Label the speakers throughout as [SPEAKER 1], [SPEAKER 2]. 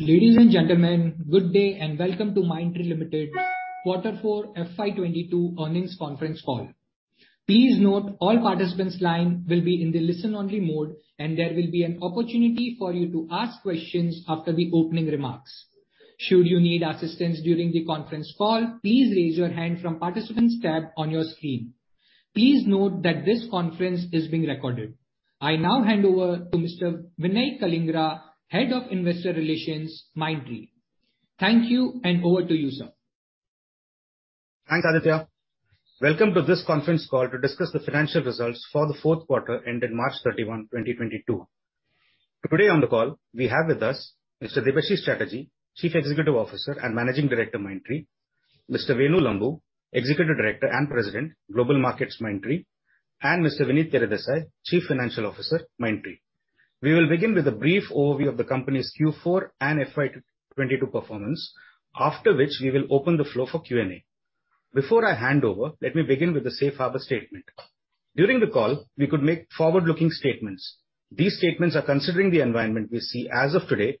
[SPEAKER 1] Ladies and gentlemen, good day and welcome to Mindtree Limited quarter four FY 2022 earnings conference call. Please note all participants' line will be in the listen-only mode, and there will be an opportunity for you to ask questions after the opening remarks. Should you need assistance during the conference call, please raise your hand from Participants tab on your screen. Please note that this conference is being recorded. I now hand over to Mr. Vinay Kalingara, Head of Investor Relations, Mindtree. Thank you and over to you, sir.
[SPEAKER 2] Thanks, Aditya. Welcome to this conference call to discuss the financial results for the fourth quarter ended March 31, 2022. Today on the call we have with us Mr. Debashis Chatterjee, Chief Executive Officer and Managing Director, Mindtree, Mr. Venu Lambu, Executive Director and President, Global Markets, Mindtree, and Mr. Vinit Teredesai, Chief Financial Officer, Mindtree. We will begin with a brief overview of the company's Q4 and FY 2022 performance, after which we will open the floor for Q&A. Before I hand over, let me begin with the safe harbor statement. During the call, we could make forward-looking statements. These statements are considering the environment we see as of today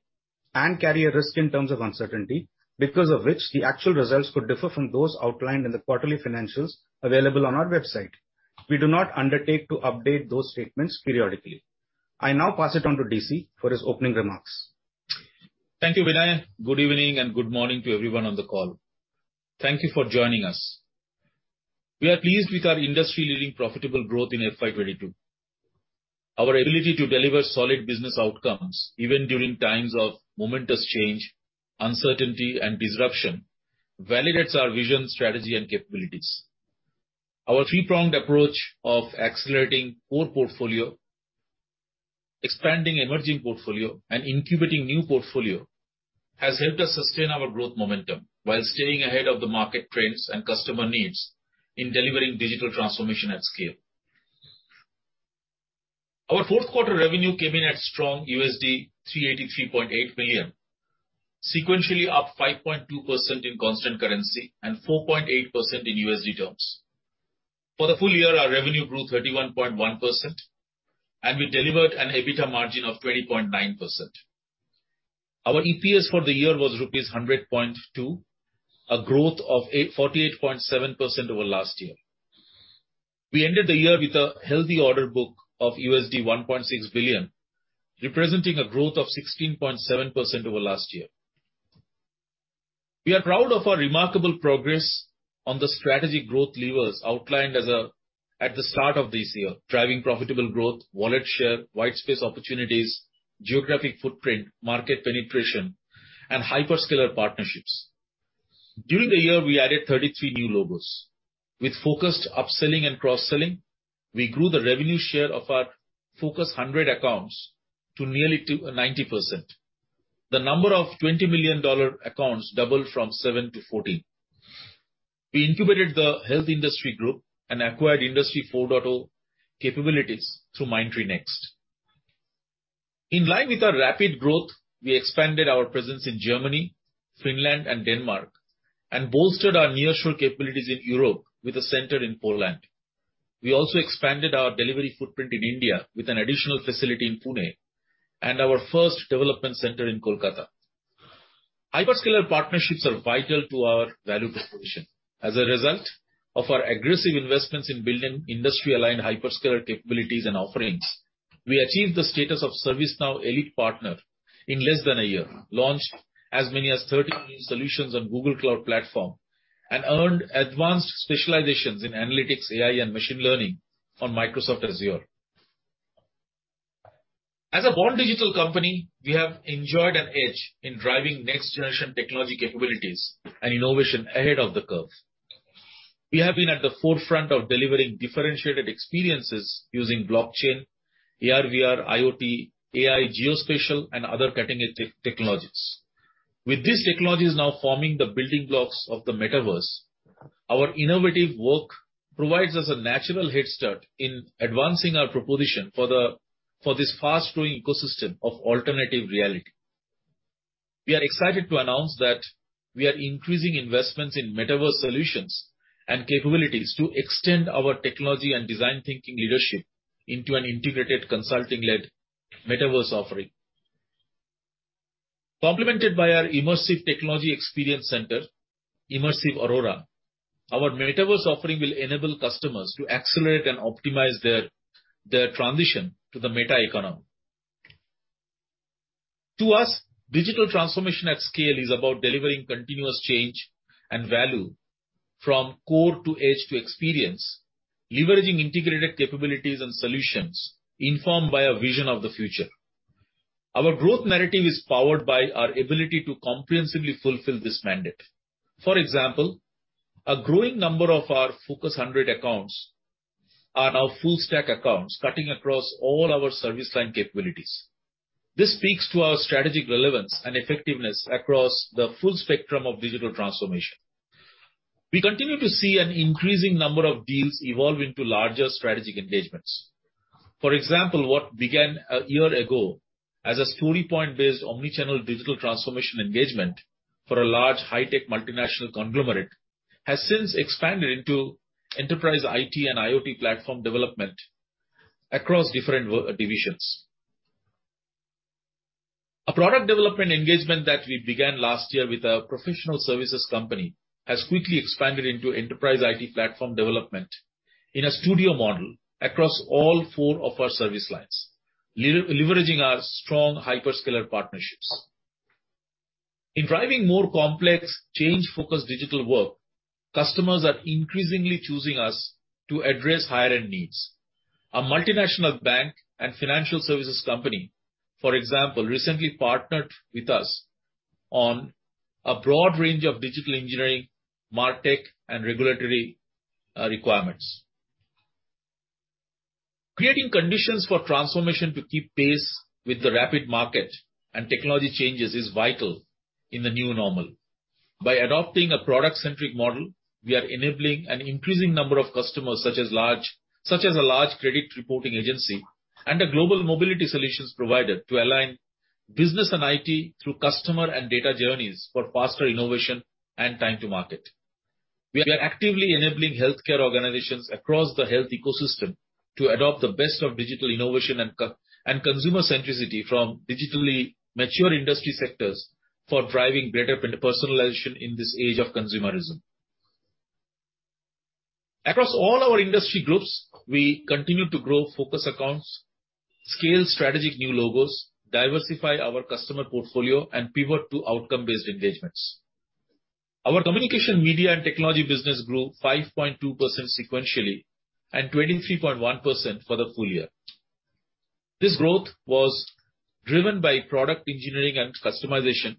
[SPEAKER 2] and carry a risk in terms of uncertainty, because of which the actual results could differ from those outlined in the quarterly financials available on our website. We do not undertake to update those statements periodically. I now pass it on to Debashis Chatterjee for his opening remarks.
[SPEAKER 3] Thank you, Vinay. Good evening and good morning to everyone on the call. Thank you for joining us. We are pleased with our industry-leading profitable growth in FY 2022. Our ability to deliver solid business outcomes even during times of momentous change, uncertainty, and disruption validates our vision, strategy, and capabilities. Our three-pronged approach of accelerating core portfolio, expanding emerging portfolio, and incubating new portfolio has helped us sustain our growth momentum while staying ahead of the market trends and customer needs in delivering digital transformation at scale. Our fourth quarter revenue came in at strong $383.8 billion, sequentially up 5.2% in constant currency and 4.8% in USD terms. For the full year, our revenue grew 31.1%, and we delivered an EBITDA margin of 20.9%. Our EPS for the year was rupees 100.2, a growth of 48.7% over last year. We ended the year with a healthy order book of $1.6 billion, representing a growth of 16.7% over last year. We are proud of our remarkable progress on the strategy growth levers outlined at the start of this year, driving profitable growth, wallet share, white space opportunities, geographic footprint, market penetration, and hyperscaler partnerships. During the year we added 33 new logos. With focused upselling and cross-selling, we grew the revenue share of our Focus 100 accounts to nearly 90%. The number of $20 million accounts doubled from 7 to 14. We incubated the health industry group and acquired Industry 4.0 capabilities through Mindtree NxT. In line with our rapid growth, we expanded our presence in Germany, Finland, and Denmark, and bolstered our nearshore capabilities in Europe with a center in Poland. We also expanded our delivery footprint in India with an additional facility in Pune and our first development center in Kolkata. Hyperscaler partnerships are vital to our value proposition. As a result of our aggressive investments in building industry-aligned hyperscaler capabilities and offerings, we achieved the status of ServiceNow Elite Partner in less than a year, launched as many as 13 solutions on Google Cloud Platform, and earned advanced specializations in analytics, AI, and machine learning on Microsoft Azure. As a born digital company, we have enjoyed an edge in driving next-generation technology capabilities and innovation ahead of the curve. We have been at the forefront of delivering differentiated experiences using blockchain, AR/VR, IoT, AI, geospatial, and other cutting-edge technologies. With these technologies now forming the building blocks of the metaverse, our innovative work provides us a natural headstart in advancing our proposition for this fast-growing ecosystem of alternative reality. We are excited to announce that we are increasing investments in metaverse solutions and capabilities to extend our technology and design thinking leadership into an integrated consulting-led metaverse offering. Complemented by our immersive technology experience center, Immersive Aurora, our metaverse offering will enable customers to accelerate and optimize their transition to the meta economy. To us, digital transformation at scale is about delivering continuous change and value from core to edge to experience, leveraging integrated capabilities and solutions informed by a vision of the future. Our growth narrative is powered by our ability to comprehensively fulfill this mandate. For example, a growing number of our Focus 100 accounts are now full-stack accounts cutting across all our service line capabilities. This speaks to our strategic relevance and effectiveness across the full spectrum of digital transformation. We continue to see an increasing number of deals evolve into larger strategic engagements. For example, what began a year ago as a story point-based omnichannel digital transformation engagement for a large high-tech multinational conglomerate has since expanded into enterprise IT and IoT platform development across different work divisions. A product development engagement that we began last year with a professional services company has quickly expanded into enterprise IT platform development in a studio model across all four of our service lines, leveraging our strong hyperscaler partnerships. In driving more complex change-focused digital work, customers are increasingly choosing us to address higher-end needs. A multinational bank and financial services company, for example, recently partnered with us on a broad range of digital engineering, MarTech, and regulatory requirements. Creating conditions for transformation to keep pace with the rapid market and technology changes is vital in the new normal. By adopting a product-centric model, we are enabling an increasing number of customers such as a large credit reporting agency and a global mobility solutions provider to align business and IT through customer and data journeys for faster innovation and time to market. We are actively enabling healthcare organizations across the health ecosystem to adopt the best of digital innovation and consumer centricity from digitally mature industry sectors for driving better personalization in this age of consumerism. Across all our industry groups, we continue to grow focus accounts, scale strategic new logos, diversify our customer portfolio, and pivot to outcome-based engagements. Our communication media and technology business grew 5.2% sequentially and 23.1% for the full year. This growth was driven by product engineering and customization,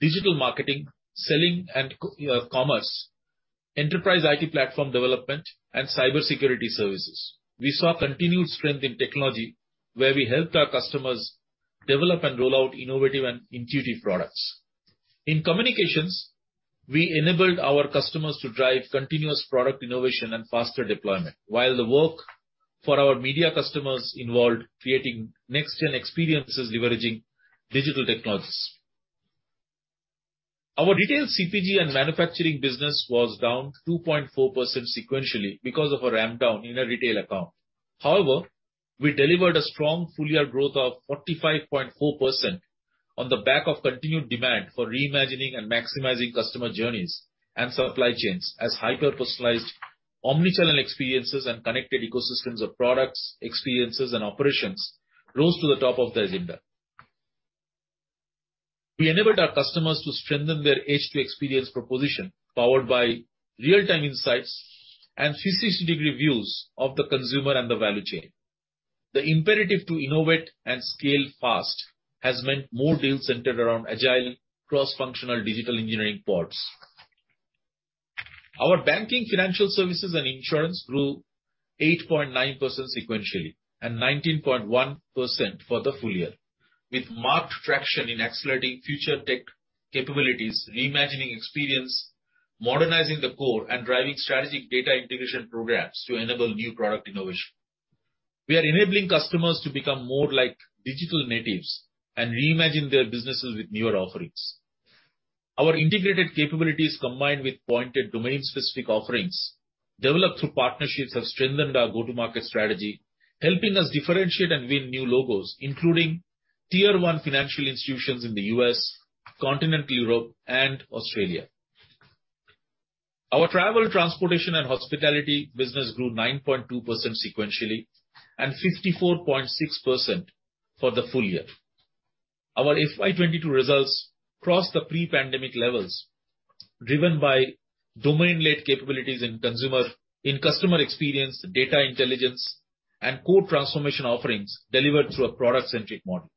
[SPEAKER 3] digital marketing, selling and commerce, enterprise IT platform development, and cybersecurity services. We saw continued strength in technology, where we helped our customers develop and roll out innovative and intuitive products. In communications, we enabled our customers to drive continuous product innovation and faster deployment, while the work for our media customers involved creating next-gen experiences leveraging digital technologies. Our retail CPG and manufacturing business was down 2.4% sequentially because of a ramp down in a retail account. However, we delivered a strong full-year growth of 45.4% on the back of continued demand for reimagining and maximizing customer journeys and supply chains as hyper-personalized omnichannel experiences and connected ecosystems of products, experiences, and operations rose to the top of their agenda. We enabled our customers to strengthen their H2H experience proposition powered by real-time insights and 360-degree views of the consumer and the value chain. The imperative to innovate and scale fast has meant more deals centered around agile cross-functional digital engineering ports. Our banking, financial services, and insurance grew 8.9% sequentially and 19.1% for the full year, with marked traction in accelerating future tech capabilities, reimagining experience, modernizing the core, and driving strategic data integration programs to enable new product innovation. We are enabling customers to become more like digital natives and reimagine their businesses with newer offerings. Our integrated capabilities, combined with pointed domain-specific offerings developed through partnerships, have strengthened our go-to-market strategy, helping us differentiate and win new logos, including tier one financial institutions in the U.S., Continental Europe, and Australia. Our travel, transportation, and hospitality business grew 9.2% sequentially and 54.6% for the full year. Our FY 2022 results crossed the pre-pandemic levels, driven by domain-led capabilities in customer experience, data intelligence and core transformation offerings delivered through a product-centric model.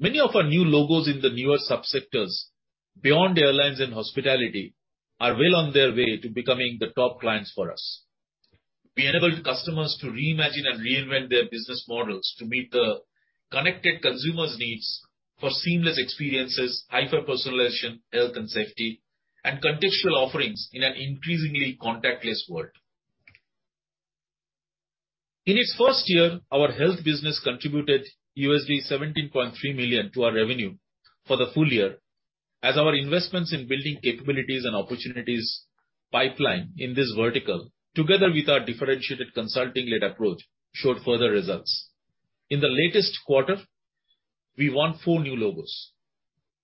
[SPEAKER 3] Many of our new logos in the newer subsectors beyond airlines and hospitality are well on their way to becoming the top clients for us. We enabled customers to reimagine and reinvent their business models to meet the connected consumers' needs for seamless experiences, hyper-personalization, health and safety, and contextual offerings in an increasingly contactless world. In its first year, our health business contributed $17.3 million to our revenue for the full year as our investments in building capabilities and opportunities pipeline in this vertical, together with our differentiated consulting-led approach, showed further results. In the latest quarter, we won four new logos,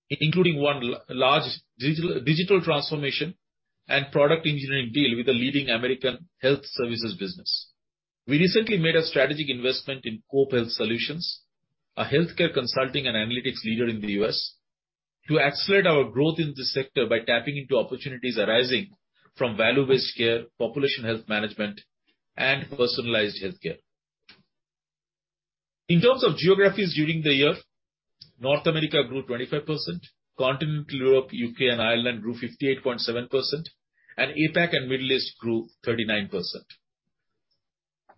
[SPEAKER 3] including one large digital transformation and product engineering deal with a leading American health services business. We recently made a strategic investment in COPE Health Solutions, a healthcare consulting and analytics leader in the U.S., to accelerate our growth in this sector by tapping into opportunities arising from value-based care, population health management, and personalized healthcare. In terms of geographies during the year, North America grew 25%, Continental Europe, UK and Ireland grew 58.7%, and APAC and Middle East grew 39%.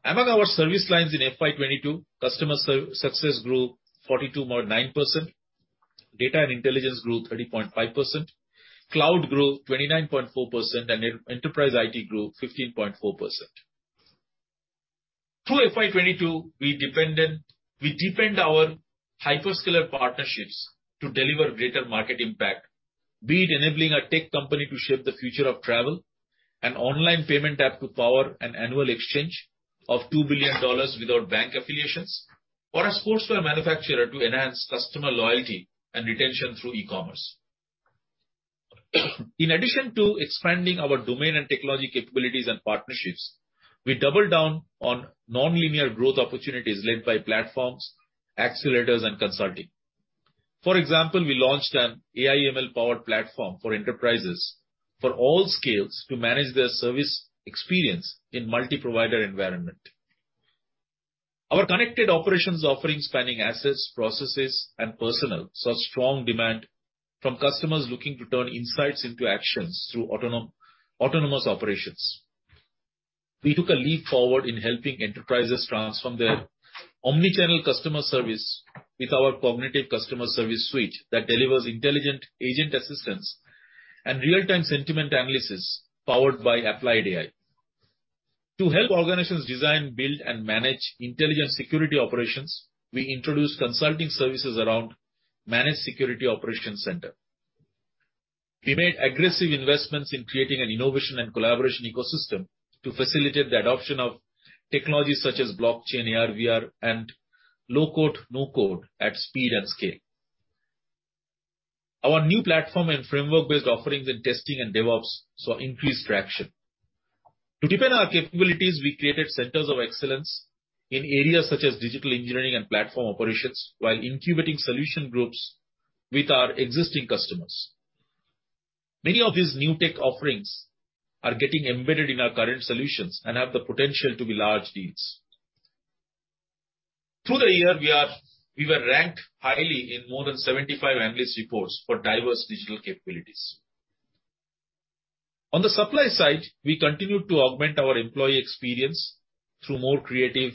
[SPEAKER 3] Among our service lines in FY 2022, customer success grew 42.9%, data and intelligence grew 30.5%, cloud grew 29.4%, and enterprise IT grew 15.4%. Through FY 2022, we deepened our hyperscaler partnerships to deliver greater market impact, be it enabling a tech company to shape the future of travel, an online payment app to power an annual exchange of $2 billion with our bank affiliations, or a sportswear manufacturer to enhance customer loyalty and retention through e-commerce. In addition to expanding our domain and technology capabilities and partnerships, we doubled down on nonlinear growth opportunities led by platforms, accelerators, and consulting. For example, we launched an AI ML-powered platform for enterprises for all scales to manage their service experience in multi-provider environment. Our connected operations offerings spanning assets, processes, and personnel saw strong demand from customers looking to turn insights into actions through autonomous operations. We took a leap forward in helping enterprises transform their omnichannel customer service with our cognitive customer service suite that delivers intelligent agent assistance and real-time sentiment analysis powered by applied AI. To help organizations design, build, and manage intelligent security operations, we introduced consulting services around managed security operations center. We made aggressive investments in creating an innovation and collaboration ecosystem to facilitate the adoption of technologies such as blockchain, AR/VR, and low-code, no-code at speed and scale. Our new platform and framework-based offerings in testing and DevOps saw increased traction. To deepen our capabilities, we created centers of excellence in areas such as digital engineering and platform operations, while incubating solution groups with our existing customers. Many of these new tech offerings are getting embedded in our current solutions and have the potential to be large deals. Through the year, we were ranked highly in more than 75 analyst reports for diverse digital capabilities. On the supply side, we continued to augment our employee experience through more creative,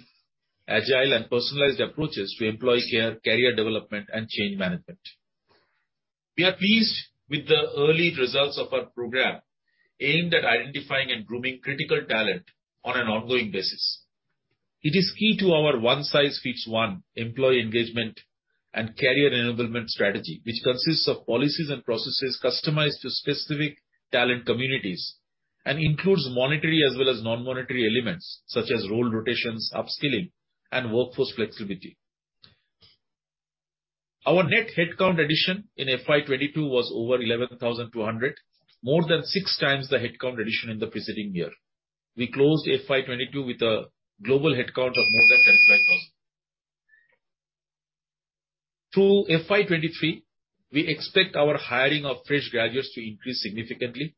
[SPEAKER 3] agile, and personalized approaches to employee care, career development, and change management. We are pleased with the early results of our program aimed at identifying and grooming critical talent on an ongoing basis. It is key to our one-size-fits-one employee engagement and career enablement strategy, which consists of policies and processes customized to specific talent communities, and includes monetary as well as non-monetary elements such as role rotations, upskilling, and workforce flexibility. Our net headcount addition in FY 2022 was over 11,200, more than six times the headcount addition in the preceding year. We closed FY 2022 with a global headcount of more than 35,000. Through FY 2023, we expect our hiring of fresh graduates to increase significantly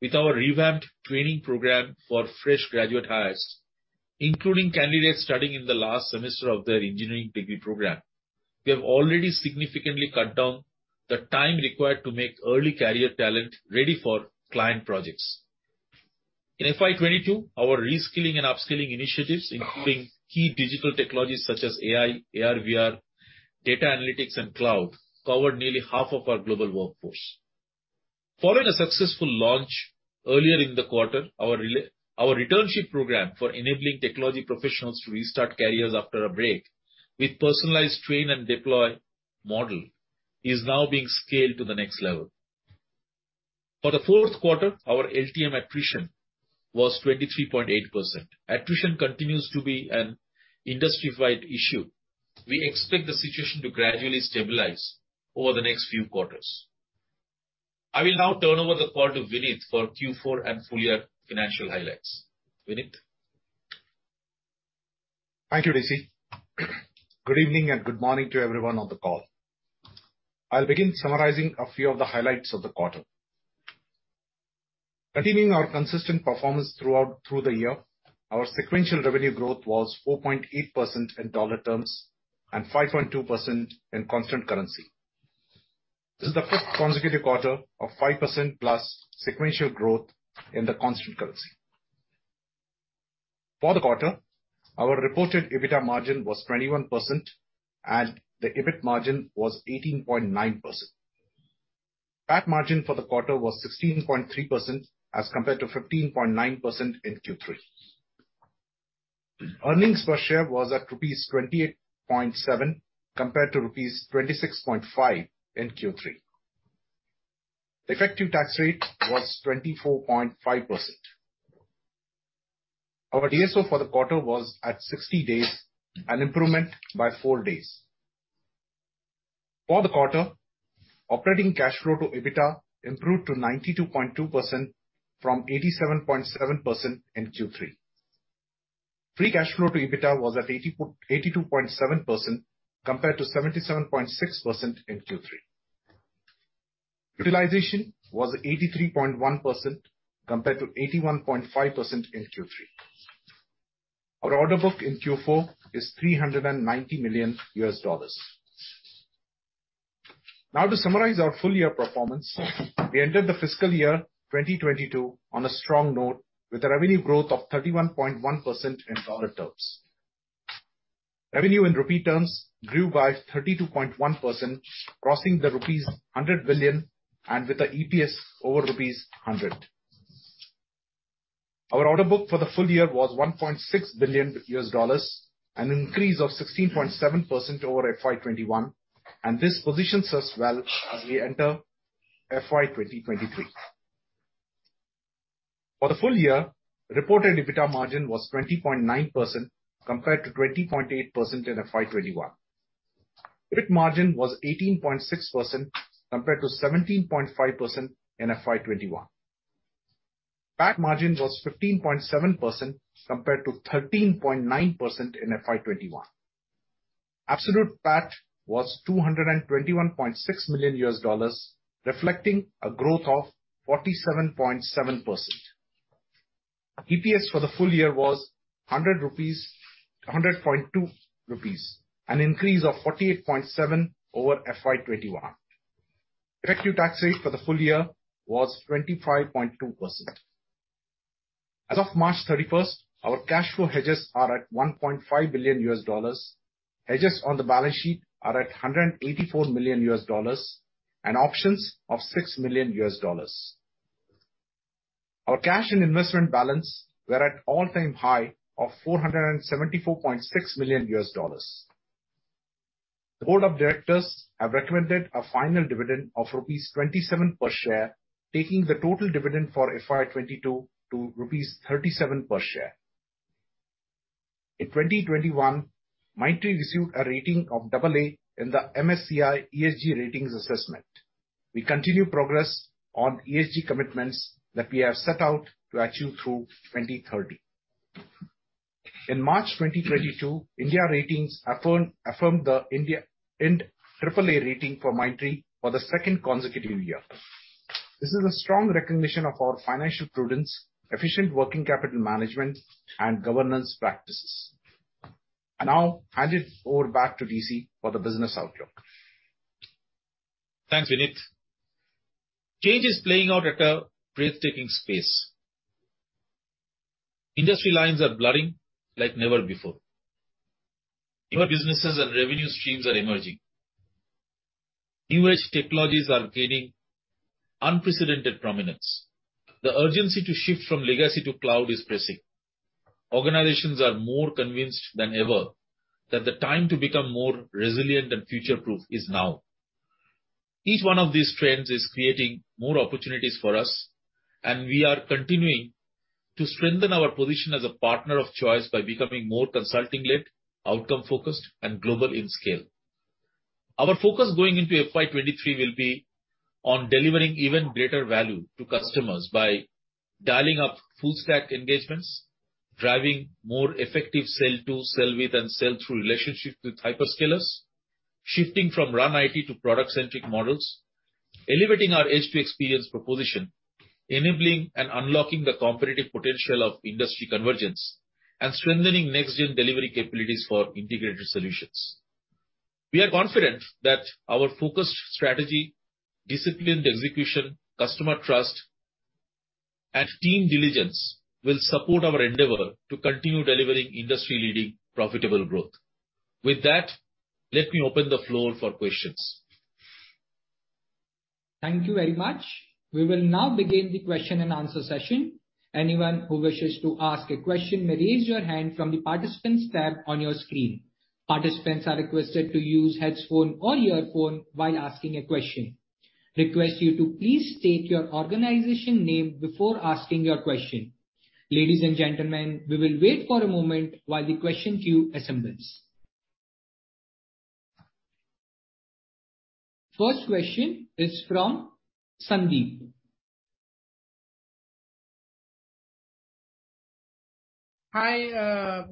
[SPEAKER 3] with our revamped training program for fresh graduate hires, including candidates studying in the last semester of their engineering degree program. We have already significantly cut down the time required to make early career talent ready for client projects. In FY 2022, our reskilling and upskilling initiatives, including key digital technologies such as AI, AR/VR, data analytics, and cloud, covered nearly half of our global workforce. Following a successful launch earlier in the quarter, our returnship program for enabling technology professionals to restart careers after a break with personalized train and deploy model is now being scaled to the next level. For the fourth quarter, our LTM attrition was 23.8%. Attrition continues to be an industry-wide issue. We expect the situation to gradually stabilize over the next few quarters. I will now turn over the call to Vinit for Q4 and full year financial highlights. Vinit?
[SPEAKER 4] Thank you, Debashis Chatterjee. Good evening and good morning to everyone on the call. I'll begin summarizing a few of the highlights of the quarter. Continuing our consistent performance throughout, through the year, our sequential revenue growth was 4.8% in dollar terms and 5.2% in constant currency. This is the fifth consecutive quarter of 5%+ sequential growth in the constant currency. For the quarter, our reported EBITDA margin was 21%, and the EBIT margin was 18.9%. PAT margin for the quarter was 16.3% as compared to 15.9% in Q3. Earnings per share was at rupees 28.7, compared to rupees 26.5 in Q3. The effective tax rate was 24.5%. Our DSO for the quarter was at 60 days, an improvement by 4 days. For the quarter, operating cash flow to EBITDA improved to 92.2% from 87.7% in Q3. Free cash flow to EBITDA was at 82.7%, compared to 77.6% in Q3. Utilization was 83.1%, compared to 81.5% in Q3. Our order book in Q4 is $390 million. Now to summarize our full year performance, we ended the fiscal year 2022 on a strong note with a revenue growth of 31.1% in dollar terms. Revenue in rupee terms grew by 32.1%, crossing rupees 100 billion, and with the EPS over rupees 100. Our order book for the full year was $1.6 billion, an increase of 16.7% over FY 2021, and this positions us well as we enter FY 2023. For the full year, reported EBITDA margin was 20.9% compared to 20.8% in FY 2021. EBIT margin was 18.6% compared to 17.5% in FY 2021. PAT margin was 15.7% compared to 13.9% in FY 2021. Absolute PAT was $221.6 million, reflecting a growth of 47.7%. EPS for the full year was 100.2 rupees, an increase of 48.7% over FY 2021. Effective tax rate for the full year was 25.2%. As of March 31, our cash flow hedges are at $1.5 billion. Hedges on the balance sheet are at $184 million, and options of $6 million. Our cash and investment balance were at all-time high of $474.6 million. The board of directors have recommended a final dividend of rupees 27 per share, taking the total dividend for FY 2022 to rupees 37 per share. In 2021, Mindtree received a rating of double A in the MSCI ESG ratings assessment. We continue progress on ESG commitments that we have set out to achieve through 2030. In March 2022, India Ratings and Research affirmed the IND AAA rating for Mindtree for the second consecutive year. This is a strong recognition of our financial prudence, efficient working capital management, and governance practices. I now hand it over back to Debashis Chatterjee for the business outlook.
[SPEAKER 3] Thanks, Vinit. Change is playing out at a breathtaking pace. Industry lines are blurring like never before. New businesses and revenue streams are emerging. New-age technologies are gaining unprecedented prominence. The urgency to shift from legacy to cloud is pressing. Organizations are more convinced than ever that the time to become more resilient and future-proof is now. Each one of these trends is creating more opportunities for us, and we are continuing to strengthen our position as a partner of choice by becoming more consulting-led, outcome-focused, and global in scale. Our focus going into FY 2023 will be on delivering even greater value to customers by dialing up full stack engagements, driving more effective sell to, sell with, and sell through relationships with hyperscalers, shifting from run IT to product-centric models, elevating our H2 experience proposition, enabling and unlocking the competitive potential of industry convergence, and strengthening next-gen delivery capabilities for integrated solutions. We are confident that our focused strategy, disciplined execution, customer trust, and team diligence will support our endeavor to continue delivering industry-leading profitable growth. With that, let me open the floor for questions.
[SPEAKER 1] Thank you very much. We will now begin the question and answer session. Anyone who wishes to ask a question may raise your hand from the Participants tab on your screen. Participants are requested to use headphone or earphone while asking a question. Request you to please state your organization name before asking your question. Ladies and gentlemen, we will wait for a moment while the question queue assembles. First question is from Sandeep.
[SPEAKER 5] Hi,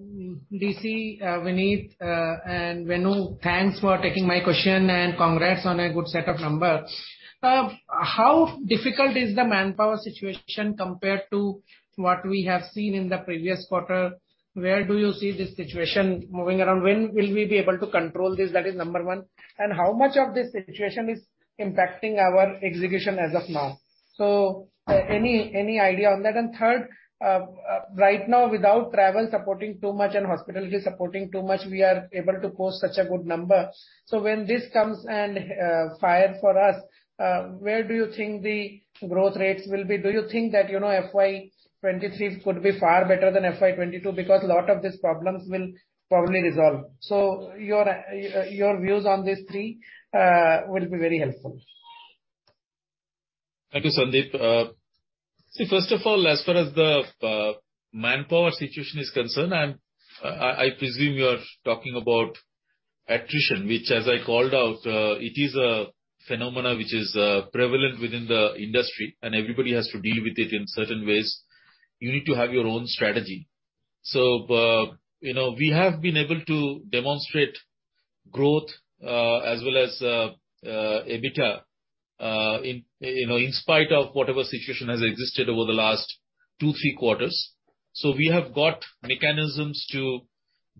[SPEAKER 5] Debashis Chatterjee, Vinit, and Venu. Thanks for taking my question, and congrats on a good set of numbers. How difficult is the manpower situation compared to what we have seen in the previous quarter? Where do you see this situation moving around? When will we be able to control this? That is number one. How much of this situation is impacting our execution as of now? Any idea on that? Third, right now, without travel supporting too much and hospitality supporting too much, we are able to post such a good number. When this comes and hire for us, where do you think the growth rates will be? Do you think that, you know, FY 2023 could be far better than FY 2022? Because a lot of these problems will probably resolve. Your views on these three will be very helpful.
[SPEAKER 3] Thank you, Sandeep. See, first of all, as far as the manpower situation is concerned, I presume you are talking about attrition, which, as I called out, it is a phenomenon which is prevalent within the industry, and everybody has to deal with it in certain ways. You need to have your own strategy. You know, we have been able to demonstrate growth as well as EBITDA in you know in spite of whatever situation has existed over the last two, three quarters. We have got mechanisms to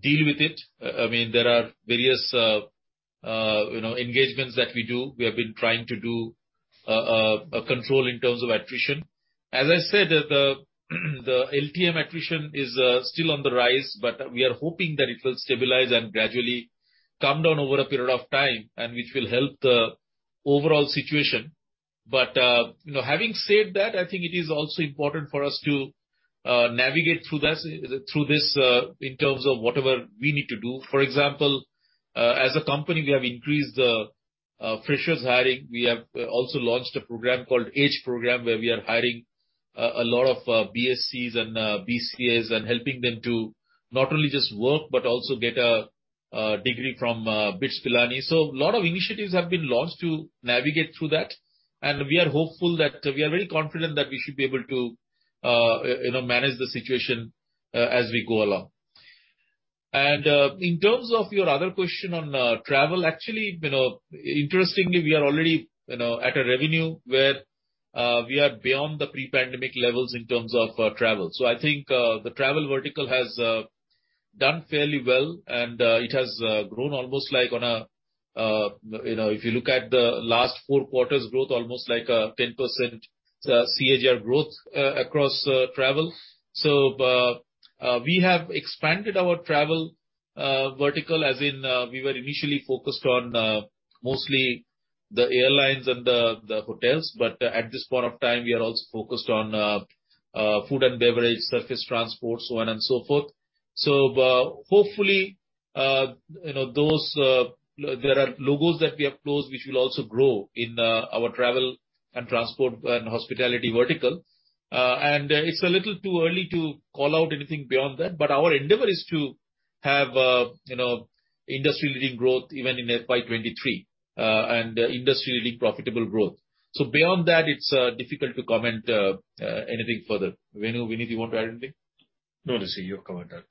[SPEAKER 3] deal with it. I mean, there are various you know engagements that we do. We have been trying to do a control in terms of attrition. As I said, the LTM attrition is still on the rise, but we are hoping that it will stabilize and gradually come down over a period of time and which will help the overall situation. You know, having said that, I think it is also important for us to navigate through this in terms of whatever we need to do. For example, as a company, we have increased freshers hiring. We have also launched a program called EDGE program, where we are hiring a lot of BScs and BCAs and helping them to not only just work but also get a degree from BITS Pilani. A lot of initiatives have been launched to navigate through that, and we are hopeful that. We are very confident that we should be able to, you know, manage the situation as we go along. In terms of your other question on travel, actually, you know, interestingly, we are already, you know, at a revenue where we are beyond the pre-pandemic levels in terms of travel. I think the travel vertical has done fairly well and it has grown almost like on a, you know, if you look at the last four quarters growth, almost like a 10% CAGR growth across travel. We have expanded our travel vertical as in, we were initially focused on mostly the airlines and the hotels, but at this point of time, we are also focused on food and beverage, surface transport, so on and so forth. Hopefully, you know, there are logos that we have closed, which will also grow in our travel and transport and hospitality vertical. It's a little too early to call out anything beyond that. Our endeavor is to have, you know, industry-leading growth even in FY 2023 and industry-leading profitable growth. Beyond that, it's difficult to comment anything further. Venu, Vinit, you want to add anything?
[SPEAKER 6] No, Debashis Chatterjee, you've covered that.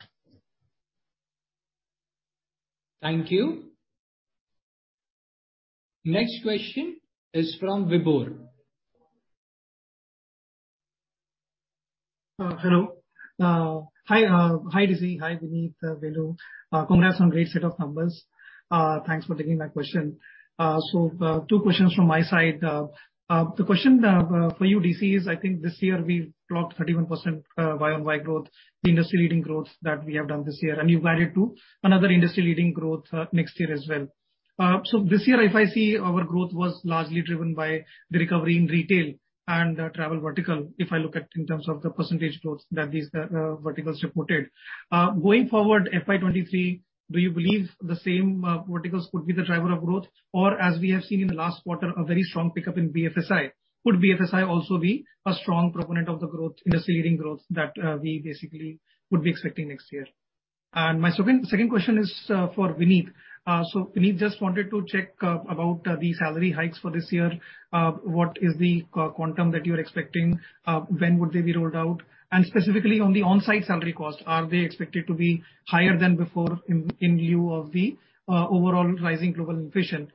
[SPEAKER 1] Thank you. Next question is from Vibhor.
[SPEAKER 7] Hello. Hi, Debashis Chatterjee. Hi, Vinit, Venu. Congrats on great set of numbers. Thanks for taking my question. Two questions from my side. The question for you, Debashis Chatterjee, is I think this year we've grown 31% year-on-year growth, the industry-leading growth that we have done this year, and you've guided to another industry-leading growth next year as well. This year, if I see, our growth was largely driven by the recovery in retail and the travel vertical, if I look at in terms of the percentage growth that these verticals reported. Going forward, FY 2023, do you believe the same verticals could be the driver of growth? Or as we have seen in the last quarter, a very strong pickup in BFSI. Could BFSI also be a strong proponent of the growth, industry-leading growth that we basically would be expecting next year? My second question is for Vinit. Vinit, just wanted to check about the salary hikes for this year. What is the quantum that you're expecting? When would they be rolled out? Specifically on the onsite salary cost, are they expected to be higher than before in lieu of the overall rising global inflation?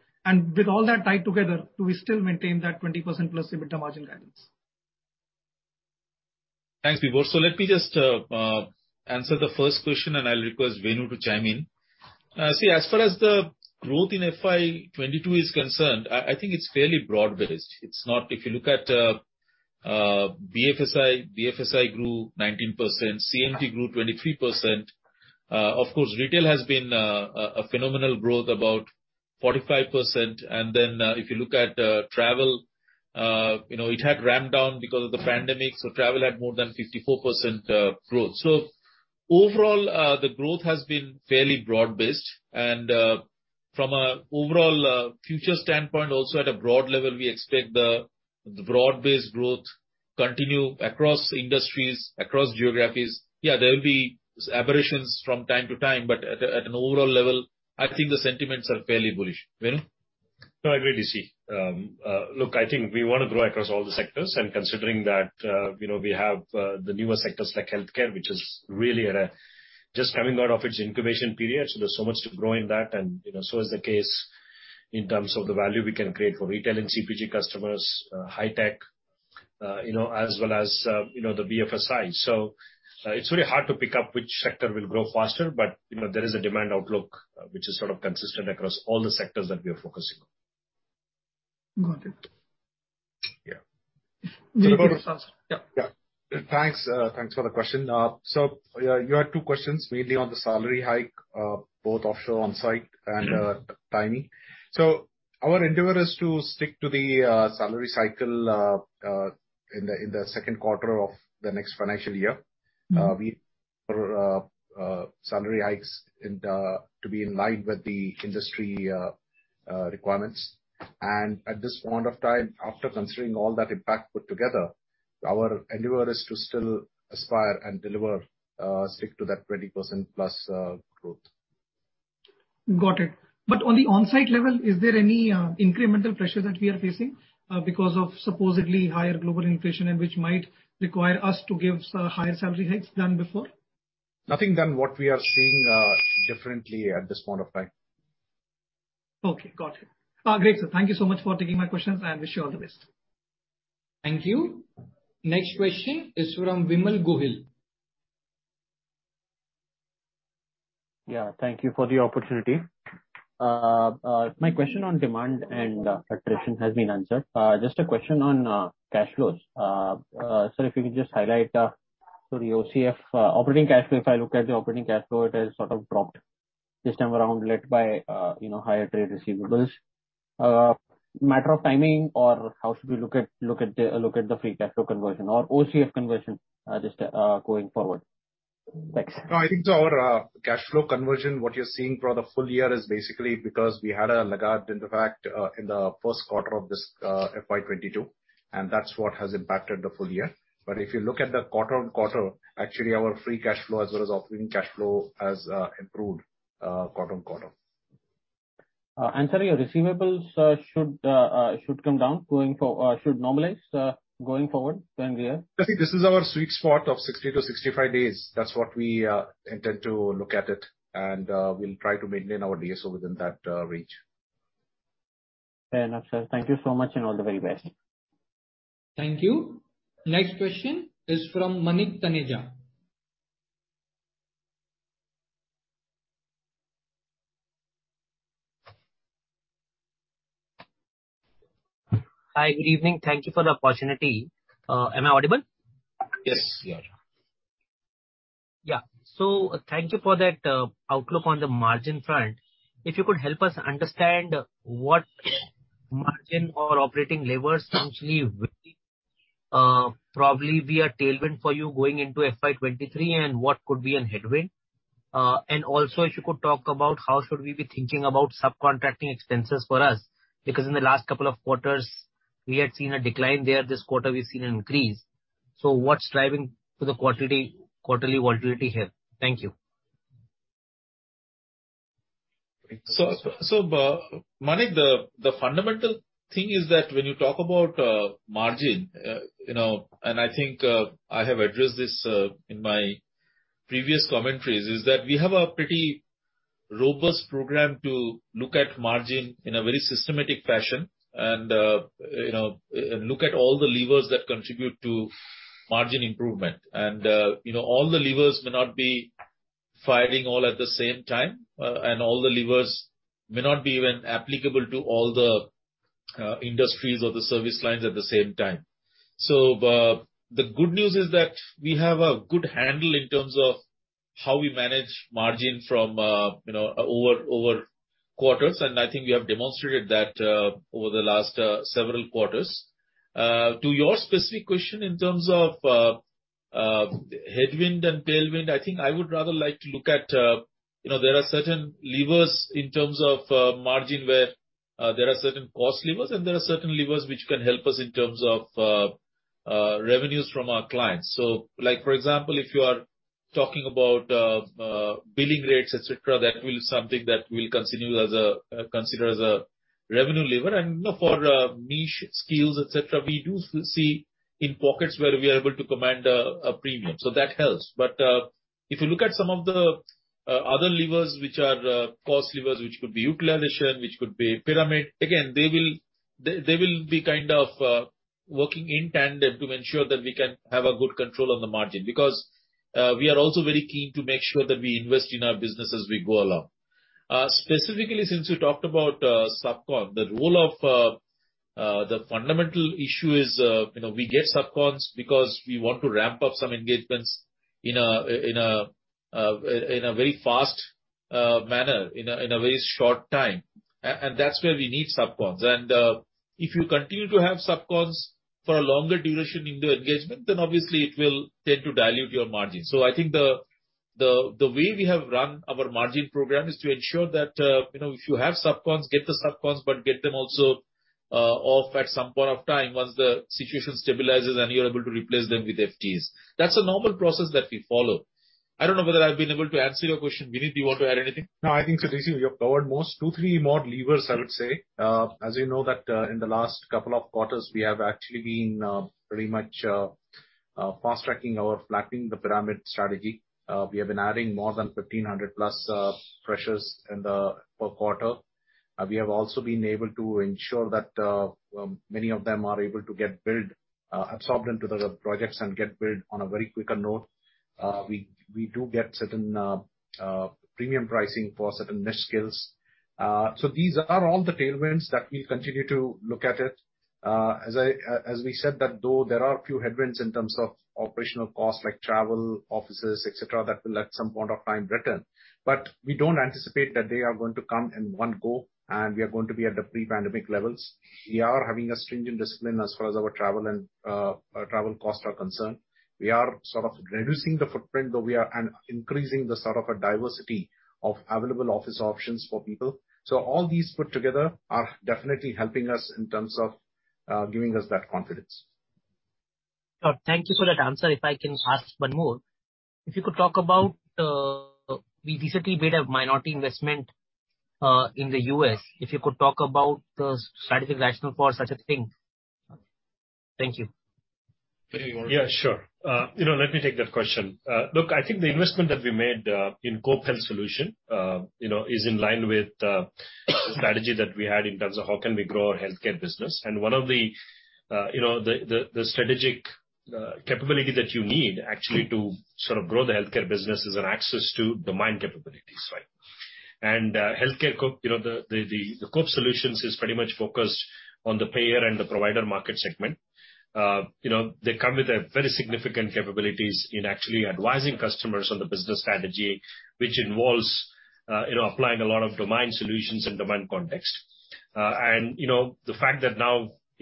[SPEAKER 7] With all that tied together, do we still maintain that 20%+ EBITDA margin guidance?
[SPEAKER 3] Thanks, Vibhor. Let me just answer the first question, and I'll request Venu to chime in. As far as the growth in FY 2022 is concerned, I think it's fairly broad-based. If you look at BFSI grew 19%, CMT grew 23%. Of course, retail has been a phenomenal growth, about 45%. If you look at travel, you know, it had ramped down because of the pandemic, so travel had more than 54% growth. Overall, the growth has been fairly broad-based. From an overall future standpoint, also at a broad level, we expect the broad-based growth continue across industries, across geographies. Yeah, there will be aberrations from time to time, but at an overall level, I think the sentiments are fairly bullish. Venu?
[SPEAKER 6] No, I agree, Debashis Chatterjee. Look, I think we wanna grow across all the sectors, and considering that, you know, we have the newer sectors like healthcare, which is really just coming out of its incubation period, so there's so much to grow in that. You know, so is the case in terms of the value we can create for retail and CPG customers, high tech, you know, as well as, you know, the BFSI. It's really hard to pick up which sector will grow faster, but, you know, there is a demand outlook which is sort of consistent across all the sectors that we are focusing on.
[SPEAKER 7] Got it.
[SPEAKER 6] Yeah.
[SPEAKER 3] Vibhor?
[SPEAKER 7] Yeah.
[SPEAKER 3] Yeah. Thanks for the question. You had two questions, mainly on the salary hike, both offshore, on-site, and timing. Our endeavor is to stick to the salary cycle in the second quarter of the next financial year. We put salary hikes to be in line with the industry requirements. At this point of time, after considering all that impact put together, our endeavor is to still aspire and deliver, stick to that 20%+ growth.
[SPEAKER 7] Got it. On the on-site level, is there any incremental pressure that we are facing because of supposedly higher global inflation and which might require us to give higher salary hikes than before?
[SPEAKER 3] Nothing different than what we are seeing at this point of time.
[SPEAKER 7] Okay. Got it. Great, sir. Thank you so much for taking my questions, and I wish you all the best.
[SPEAKER 1] Thank you. Next question is from Vimal Gohil.
[SPEAKER 8] Yeah, thank you for the opportunity. My question on demand and attrition has been answered. Just a question on cash flows. So if you could just highlight, so the OCF, operating cash flow, if I look at the operating cash flow, it has sort of dropped this time around led by, you know, higher trade receivables. Matter of timing or how should we look at the free cash flow conversion or OCF conversion, just going forward? Thanks.
[SPEAKER 3] No, I think our cash flow conversion, what you're seeing for the full year is basically because we had a lag in the first quarter of this FY 2022, and that's what has impacted the full year. If you look at the quarter-on-quarter, actually our free cash flow as well as operating cash flow has improved quarter-on-quarter.
[SPEAKER 8] Sorry, your receivables should normalize going forward when we are-
[SPEAKER 3] I think this is our sweet spot of 60-65 days. That's what we intend to look at it and we'll try to maintain our DSO within that range.
[SPEAKER 4] Fair enough, sir. Thank you so much and all the very best.
[SPEAKER 1] Thank you. Next question is from Manik Taneja.
[SPEAKER 9] Hi, good evening. Thank you for the opportunity. Am I audible?
[SPEAKER 3] Yes, we are.
[SPEAKER 9] Yeah. Thank you for that, outlook on the margin front. If you could help us understand what margin or operating levers actually will probably be a tailwind for you going into FY 2023 and what could be a headwind. Also if you could talk about how should we be thinking about subcontracting expenses for us, because in the last couple of quarters we had seen a decline there, this quarter we've seen an increase. What's driving the quarterly volatility here? Thank you.
[SPEAKER 3] Manik, the fundamental thing is that when you talk about margin, you know, and I think I have addressed this in my previous commentaries, is that we have a pretty robust program to look at margin in a very systematic fashion and, you know, look at all the levers that contribute to margin improvement. You know, all the levers may not be firing all at the same time, and all the levers may not be even applicable to all the industries or the service lines at the same time. The good news is that we have a good handle in terms of how we manage margin from, you know, over quarters, and I think we have demonstrated that over the last several quarters. To your specific question in terms of headwind and tailwind, I think I would rather like to look at, you know, there are certain levers in terms of margin where there are certain cost levers and there are certain levers which can help us in terms of revenues from our clients. Like for example, if you are talking about billing rates et cetera, that will be something that we'll continue to consider as a revenue lever. You know, for niche skills et cetera, we do see in pockets where we are able to command a premium. That helps. If you look at some of the other levers which are cost levers which could be utilization, which could be pyramid, again they will be kind of working in tandem to ensure that we can have a good control on the margin. Because we are also very keen to make sure that we invest in our business as we go along. Specifically since you talked about subcon, the role of the fundamental issue is, you know, we get subcons because we want to ramp up some engagements in a very fast manner in a very short time. And that's where we need subcons. If you continue to have subcons for a longer duration in the engagement, then obviously it will tend to dilute your margin. I think the way we have run our margin program is to ensure that, you know, if you have subcons, get the subcons, but get them also off at some point of time once the situation stabilizes and you're able to replace them with FTs. That's a normal process that we follow. I don't know whether I've been able to answer your question. Vinit, do you want to add anything?
[SPEAKER 4] No, I think, Debashis, you have covered most. Two, three more levers I would say. As you know that, in the last couple of quarters, we have actually been pretty much fast tracking our flattening the pyramid strategy. We have been adding more than 1,500+ freshers per quarter. We have also been able to ensure that many of them are able to get billed, absorbed into the projects and get billed on a very quicker note. We do get certain premium pricing for certain niche skills. So these are all the tailwinds that we'll continue to look at it. As we said that though there are a few headwinds in terms of operational costs like travel, offices, et cetera, that will at some point of time return. We don't anticipate that they are going to come in one go and we are going to be at the pre-pandemic levels. We are having a stringent discipline as far as our travel and travel costs are concerned. We are sort of reducing the footprint, though we are increasing the sort of a diversity of available office options for people. All these put together are definitely helping us in terms of giving us that confidence.
[SPEAKER 9] Sure. Thank you for that answer. If I can ask one more. If you could talk about, we recently made a minority investment, in the U.S. If you could talk about the strategic rationale for such a thing. Thank you.
[SPEAKER 3] Venu, you want to.
[SPEAKER 4] Yeah, sure. You know, let me take that question. Look, I think the investment that we made in COPE Health Solutions is in line with the strategy that we had in terms of how can we grow our healthcare business. One of the strategic capability that you need actually to sort of grow the healthcare business is an access to domain capabilities, right?
[SPEAKER 6] You know, the COPE Health Solutions is pretty much focused on the payer and the provider market segment. You know, they come with very significant capabilities in actually advising customers on the business strategy, which involves you know, applying a lot of domain solutions and domain context. You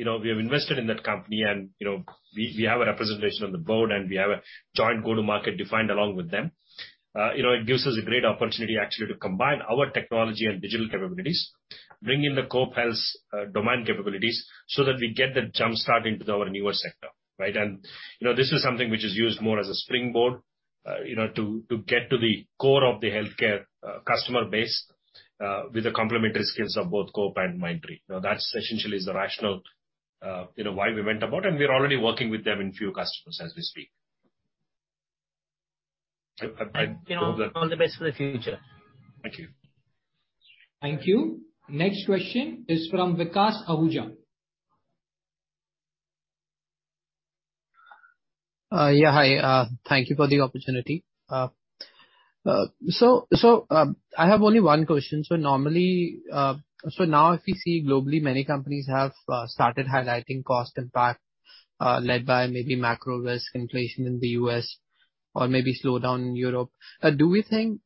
[SPEAKER 6] know, we have invested in that company and you know, we have a representation on the board and we have a joint go-to-market defined along with them. You know, it gives us a great opportunity actually to combine our technology and digital capabilities, bring in the COPE Health domain capabilities so that we get the jump start into our newer sector, right? You know, this is something which is used more as a springboard, you know, to get to the core of the healthcare customer base with the complementary skills of both COPE and Mindtree. Now, that essentially is the rationale, you know, why we went about it, and we're already working with them in a few customers as we speak.
[SPEAKER 9] I You know, all the best for the future.
[SPEAKER 6] Thank you.
[SPEAKER 1] Thank you. Next question is from Vikas Jadhav.
[SPEAKER 10] Yeah, hi. Thank you for the opportunity. I have only one question. Normally, now if we see globally, many companies have started highlighting cost impact, led by maybe macro risk inflation in the U.S. or maybe slowdown in Europe. Do we think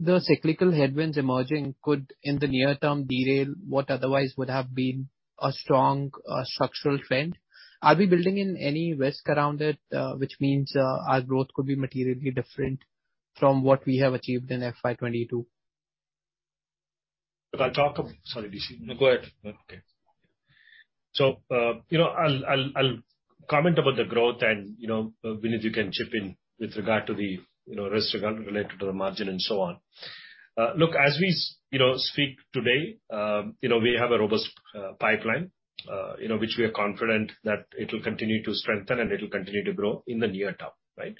[SPEAKER 10] the cyclical headwinds emerging could, in the near term, derail what otherwise would have been a strong structural trend? Are we building in any risk around it, which means our growth could be materially different from what we have achieved in FY 2022?
[SPEAKER 6] Sorry, DC.
[SPEAKER 1] No, go ahead.
[SPEAKER 6] Okay. You know, I'll comment about the growth and, you know, Vinit, you can chip in with regard to the, you know, risks regarding the margin and so on. Look, as we speak today, you know, we have a robust pipeline, you know, which we are confident that it'll continue to strengthen and it'll continue to grow in the near term, right?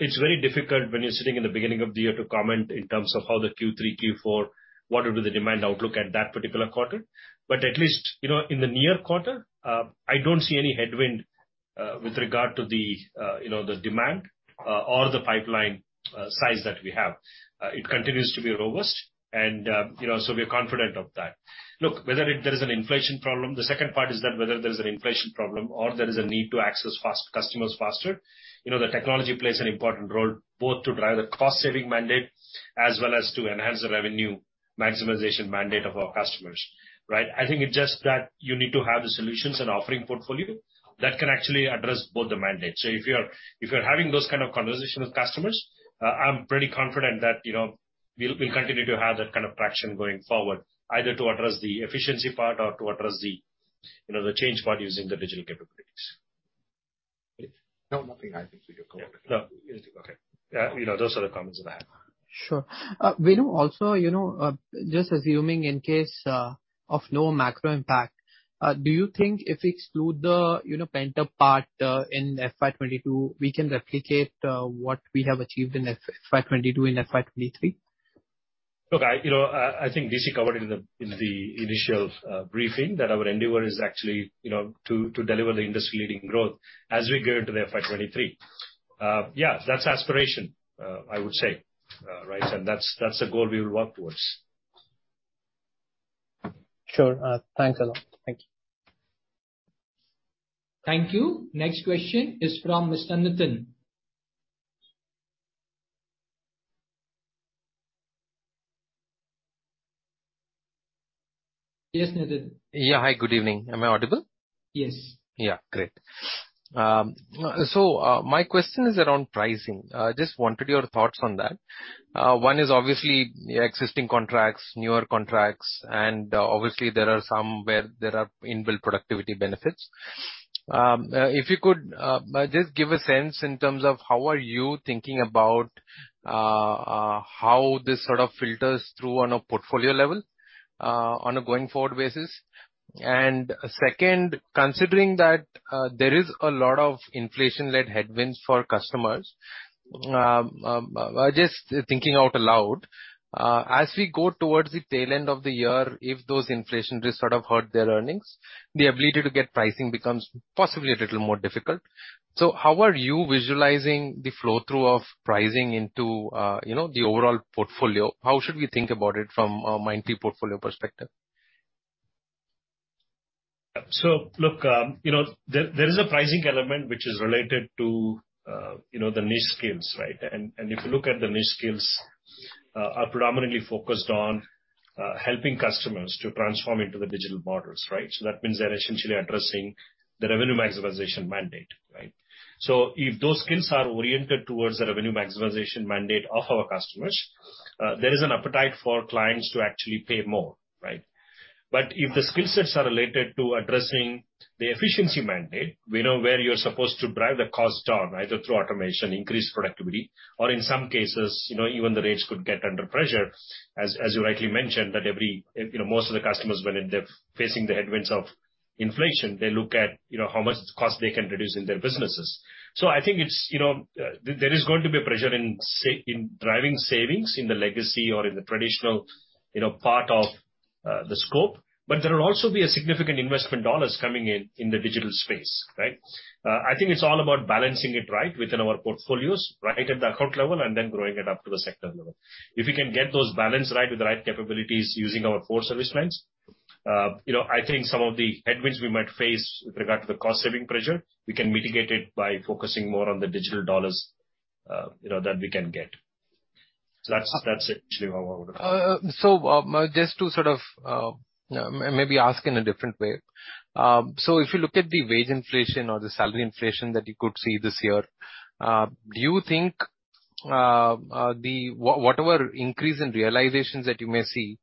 [SPEAKER 6] It's very difficult when you're sitting in the beginning of the year to comment in terms of how the Q3, Q4, what will be the demand outlook at that particular quarter. At least, you know, in the near quarter, I don't see any headwind with regard to the, you know, the demand or the pipeline size that we have. It continues to be robust, and, you know, so we are confident of that. Look, whether there is an inflation problem or there is a need to access customers faster, you know, the technology plays an important role both to drive the cost saving mandate as well as to enhance the revenue maximization mandate of our customers, right? I think it's just that you need to have the solutions and offering portfolio that can actually address both the mandates. If you're having those kind of conversation with customers, I'm pretty confident that, you know, we'll continue to have that kind of traction going forward, either to address the efficiency part or to address the, you know, change part using the digital capabilities.
[SPEAKER 1] No, nothing I think we can comment.
[SPEAKER 6] No. Okay. Yeah, you know, those are the comments that I have.
[SPEAKER 10] Sure. Vinu, also, you know, just assuming in case of no macro impact, do you think if we exclude the, you know, pent-up part in FY 2022, we can replicate what we have achieved in FY 2022 in FY 2023?
[SPEAKER 6] Look, you know, I think DC covered in the initial briefing that our endeavor is actually you know to deliver the industry-leading growth as we go into the FY 2023. Yeah, that's aspiration, I would say, right? That's a goal we will work towards.
[SPEAKER 10] Sure. Thanks a lot. Thank you.
[SPEAKER 1] Thank you. Next question is from Mr. Nitin. Yes, Nitin.
[SPEAKER 11] Yeah, hi. Good evening. Am I audible?
[SPEAKER 1] Yes.
[SPEAKER 11] Yeah, great. My question is around pricing. Just wanted your thoughts on that. One is obviously existing contracts, newer contracts, and obviously there are some where there are inbuilt productivity benefits. If you could just give a sense in terms of how you are thinking about how this sort of filters through on a portfolio level on a going forward basis. Second, considering that there is a lot of inflation-led headwinds for customers, just thinking out loud, as we go towards the tail end of the year, if those inflation rates sort of hurt their earnings, the ability to get pricing becomes possibly a little more difficult. How are you visualizing the flow-through of pricing into, you know, the overall portfolio? How should we think about it from a Mindtree portfolio perspective?
[SPEAKER 6] Look, you know, there is a pricing element which is related to, you know, the niche skills, right? If you look at the niche skills, are predominantly focused on, helping customers to transform into the digital models, right? That means they're essentially addressing the revenue maximization mandate, right? If those skills are oriented towards the revenue maximization mandate of our customers, there is an appetite for clients to actually pay more, right? If the skill sets are related to addressing the efficiency mandate, we know where you're supposed to drive the cost down, either through automation, increased productivity, or in some cases, you know, even the rates could get under pressure, as you rightly mentioned, that every You know, most of the customers when they're facing the headwinds of inflation, they look at, you know, how much cost they can reduce in their businesses. I think it's, you know, there is going to be a pressure in driving savings in the legacy or in the traditional, you know, part of-
[SPEAKER 3] The scope. There will also be a significant investment dollars coming in the digital space, right? I think it's all about balancing it right within our portfolios, right at the account level, and then growing it up to the sector level. If we can get those balance right with the right capabilities using our core service plans, you know, I think some of the headwinds we might face with regard to the cost-saving pressure, we can mitigate it by focusing more on the digital dollars, you know, that we can get. That's it actually what I would-
[SPEAKER 11] Just to sort of maybe ask in a different way. If you look at the wage inflation or the salary inflation that you could see this year, do you think the whatever increase in realizations that you may see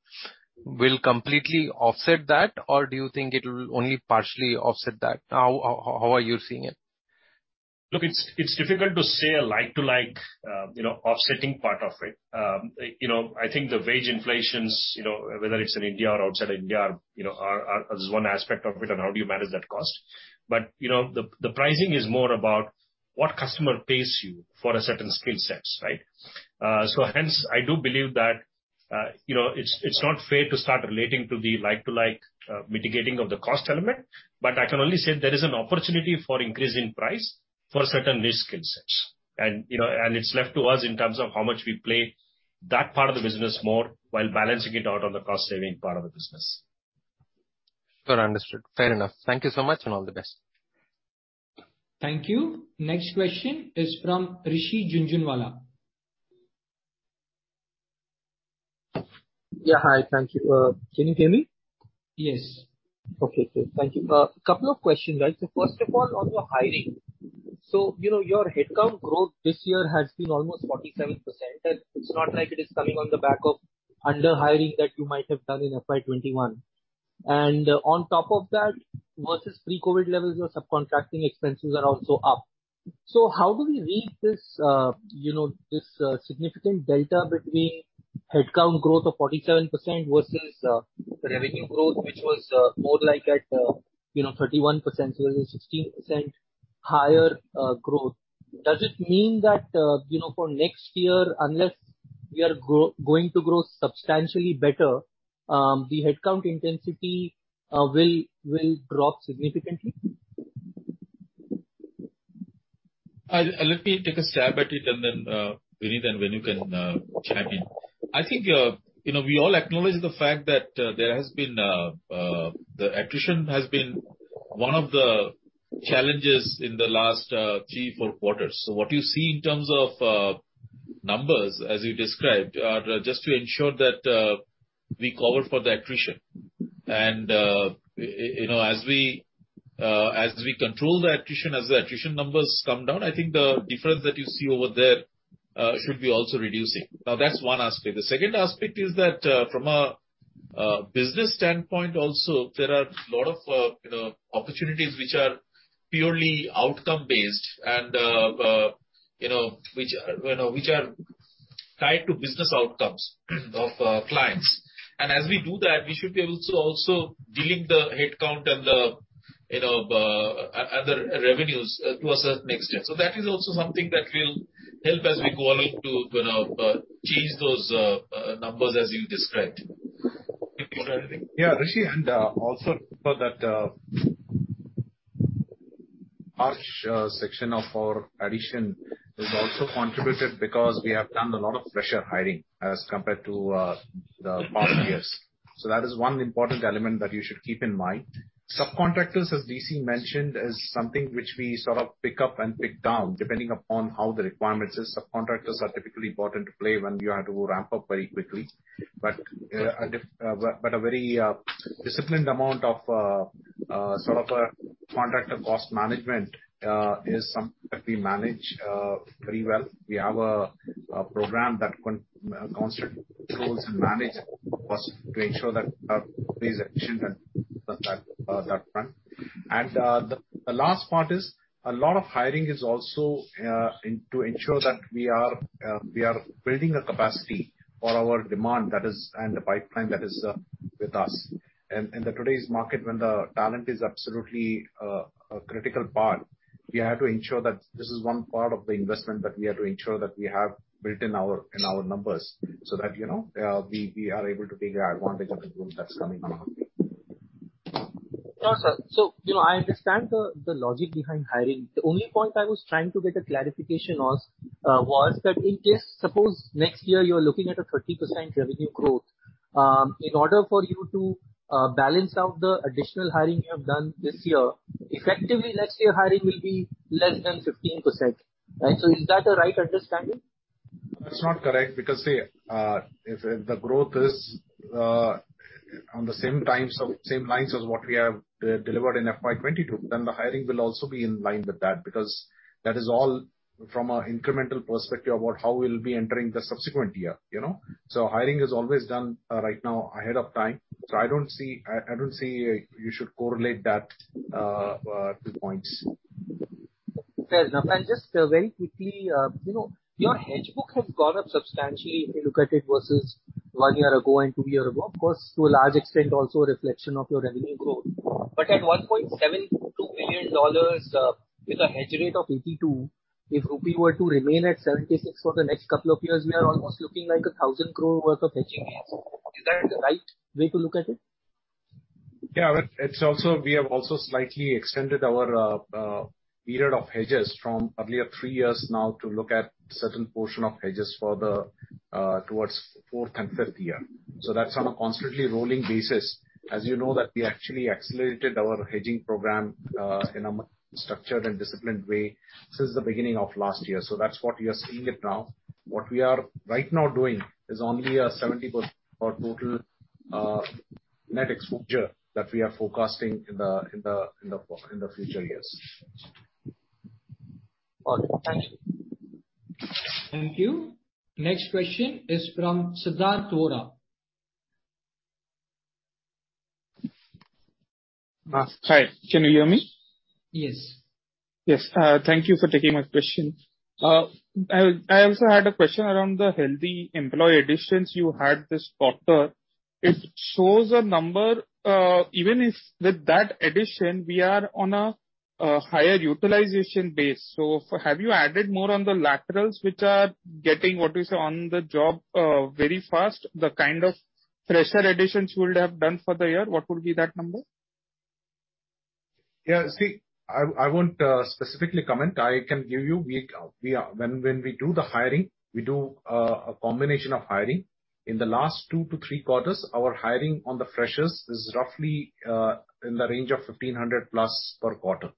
[SPEAKER 11] will completely offset that? Or do you think it'll only partially offset that? How are you seeing it?
[SPEAKER 3] Look, it's difficult to say a like-for-like, you know, offsetting part of it. You know, I think the wage inflation, you know, whether it's in India or outside India, you know, is one aspect of it and how do you manage that cost. You know, the pricing is more about what customer pays you for a certain skill sets, right? So hence, I do believe that, you know, it's not fair to start relating to the like-for-like, mitigating of the cost element, but I can only say there is an opportunity for increase in price for certain risk skill sets. You know, and it's left to us in terms of how much we play that part of the business more while balancing it out on the cost-saving part of the business.
[SPEAKER 11] Sure. Understood. Fair enough. Thank you so much, and all the best.
[SPEAKER 1] Thank you. Next question is from Rishi Jhunjhunwala.
[SPEAKER 12] Yeah, hi. Thank you. Can you hear me?
[SPEAKER 1] Yes.
[SPEAKER 12] Okay, cool. Thank you. Couple of questions, guys. First of all, on your hiring. You know, your headcount growth this year has been almost 47%, and it's not like it is coming on the back of under hiring that you might have done in FY 2021. On top of that, versus pre-COVID levels, your subcontracting expenses are also up. How do we read this, you know, this significant delta between headcount growth of 47% versus revenue growth, which was more like at, you know, 31%, so it was 16% higher growth? Does it mean that, you know, for next year, unless we are going to grow substantially better, the headcount intensity will drop significantly?
[SPEAKER 3] Let me take a stab at it and then, Vinit and Venu can, chime in. I think, you know, we all acknowledge the fact that there has been, the attrition has been one of the challenges in the last 3, 4 quarters. What you see in terms of, numbers as you described are just to ensure that, we cover for the attrition. You know, as we control the attrition, as the attrition numbers come down, I think the difference that you see over there, should be also reducing. Now that's one aspect. The second aspect is that from a business standpoint also there are a lot of you know opportunities which are purely outcome based and you know which are tied to business outcomes of clients. As we do that, we should be also de-linking the headcount and the you know other revenues towards that next year. That is also something that will help as we go along to you know change those numbers as you described. Vinit, anything?
[SPEAKER 4] Yeah, Rishi, also for that large section of our attrition is also contributed because we have done a lot of fresher hiring as compared to the past years. That is one important element that you should keep in mind. Subcontractors, as DC mentioned, is something which we sort of pick up and put down depending upon how the requirements is. Subcontractors are typically brought into play when you have to ramp up very quickly. But a very disciplined amount of sort of a contractor cost management is something that we manage very well. We have a program that constantly controls and manage costs to ensure that the attrition at that front. The last part is a lot of hiring is also in to ensure that we are building a capacity for our demand that is and the pipeline that is with us. In today's market when the talent is absolutely a critical part, we have to ensure that this is one part of the investment that we have to ensure that we have built in our numbers so that, you know, we are able to take advantage of the boom that's coming our way.
[SPEAKER 12] Sure, sir. You know, I understand the logic behind hiring. The only point I was trying to get a clarification was that in case, suppose next year you're looking at a 30% revenue growth, in order for you to balance out the additional hiring you have done this year, effectively next year hiring will be less than 15%, right? Is that a right understanding?
[SPEAKER 4] That's not correct because, say, if the growth is on the same lines as what we have delivered in FY 2022, then the hiring will also be in line with that because that is all from an incremental perspective about how we'll be entering the subsequent year, you know? Hiring is always done right now ahead of time. I don't see you should correlate that two points.
[SPEAKER 12] Fair enough. Just, very quickly, you know, your hedge book has gone up substantially if you look at it versus one year ago and two year ago. Of course, to a large extent also a reflection of your revenue growth. At $1.72 billion, with a hedge rate of 82%, if rupee were to remain at 76 for the next couple of years, we are almost looking like 1,000 crore worth of hedging gains. Is that the right way to look at it?
[SPEAKER 4] Yeah. It's also. We have also slightly extended our period of hedges from earlier 3 years now to look at certain portion of hedges towards fourth and fifth year. That's on a constantly rolling basis. As you know that we actually accelerated our hedging program in a structured and disciplined way since the beginning of last year. That's what we are seeing now. What we are right now doing is only 70% of total net exposure that we are forecasting in the future years.
[SPEAKER 6] Okay, thank you.
[SPEAKER 1] Thank you. Next question is from Siddharth Bohra.
[SPEAKER 13] Hi. Can you hear me?
[SPEAKER 1] Yes.
[SPEAKER 13] Yes. Thank you for taking my question. I also had a question around the healthy employee additions you had this quarter. It shows a number, even if with that addition we are on a higher utilization base. Have you added more on the laterals which are getting on the job very fast? The kind of fresher additions you would have done for the year, what would be that number?
[SPEAKER 4] Yeah. See, I won't specifically comment. I can give you. When we do the hiring, we do a combination of hiring. In the last two to three quarters, our hiring on the freshers is roughly in the range of 1,500+ per quarter.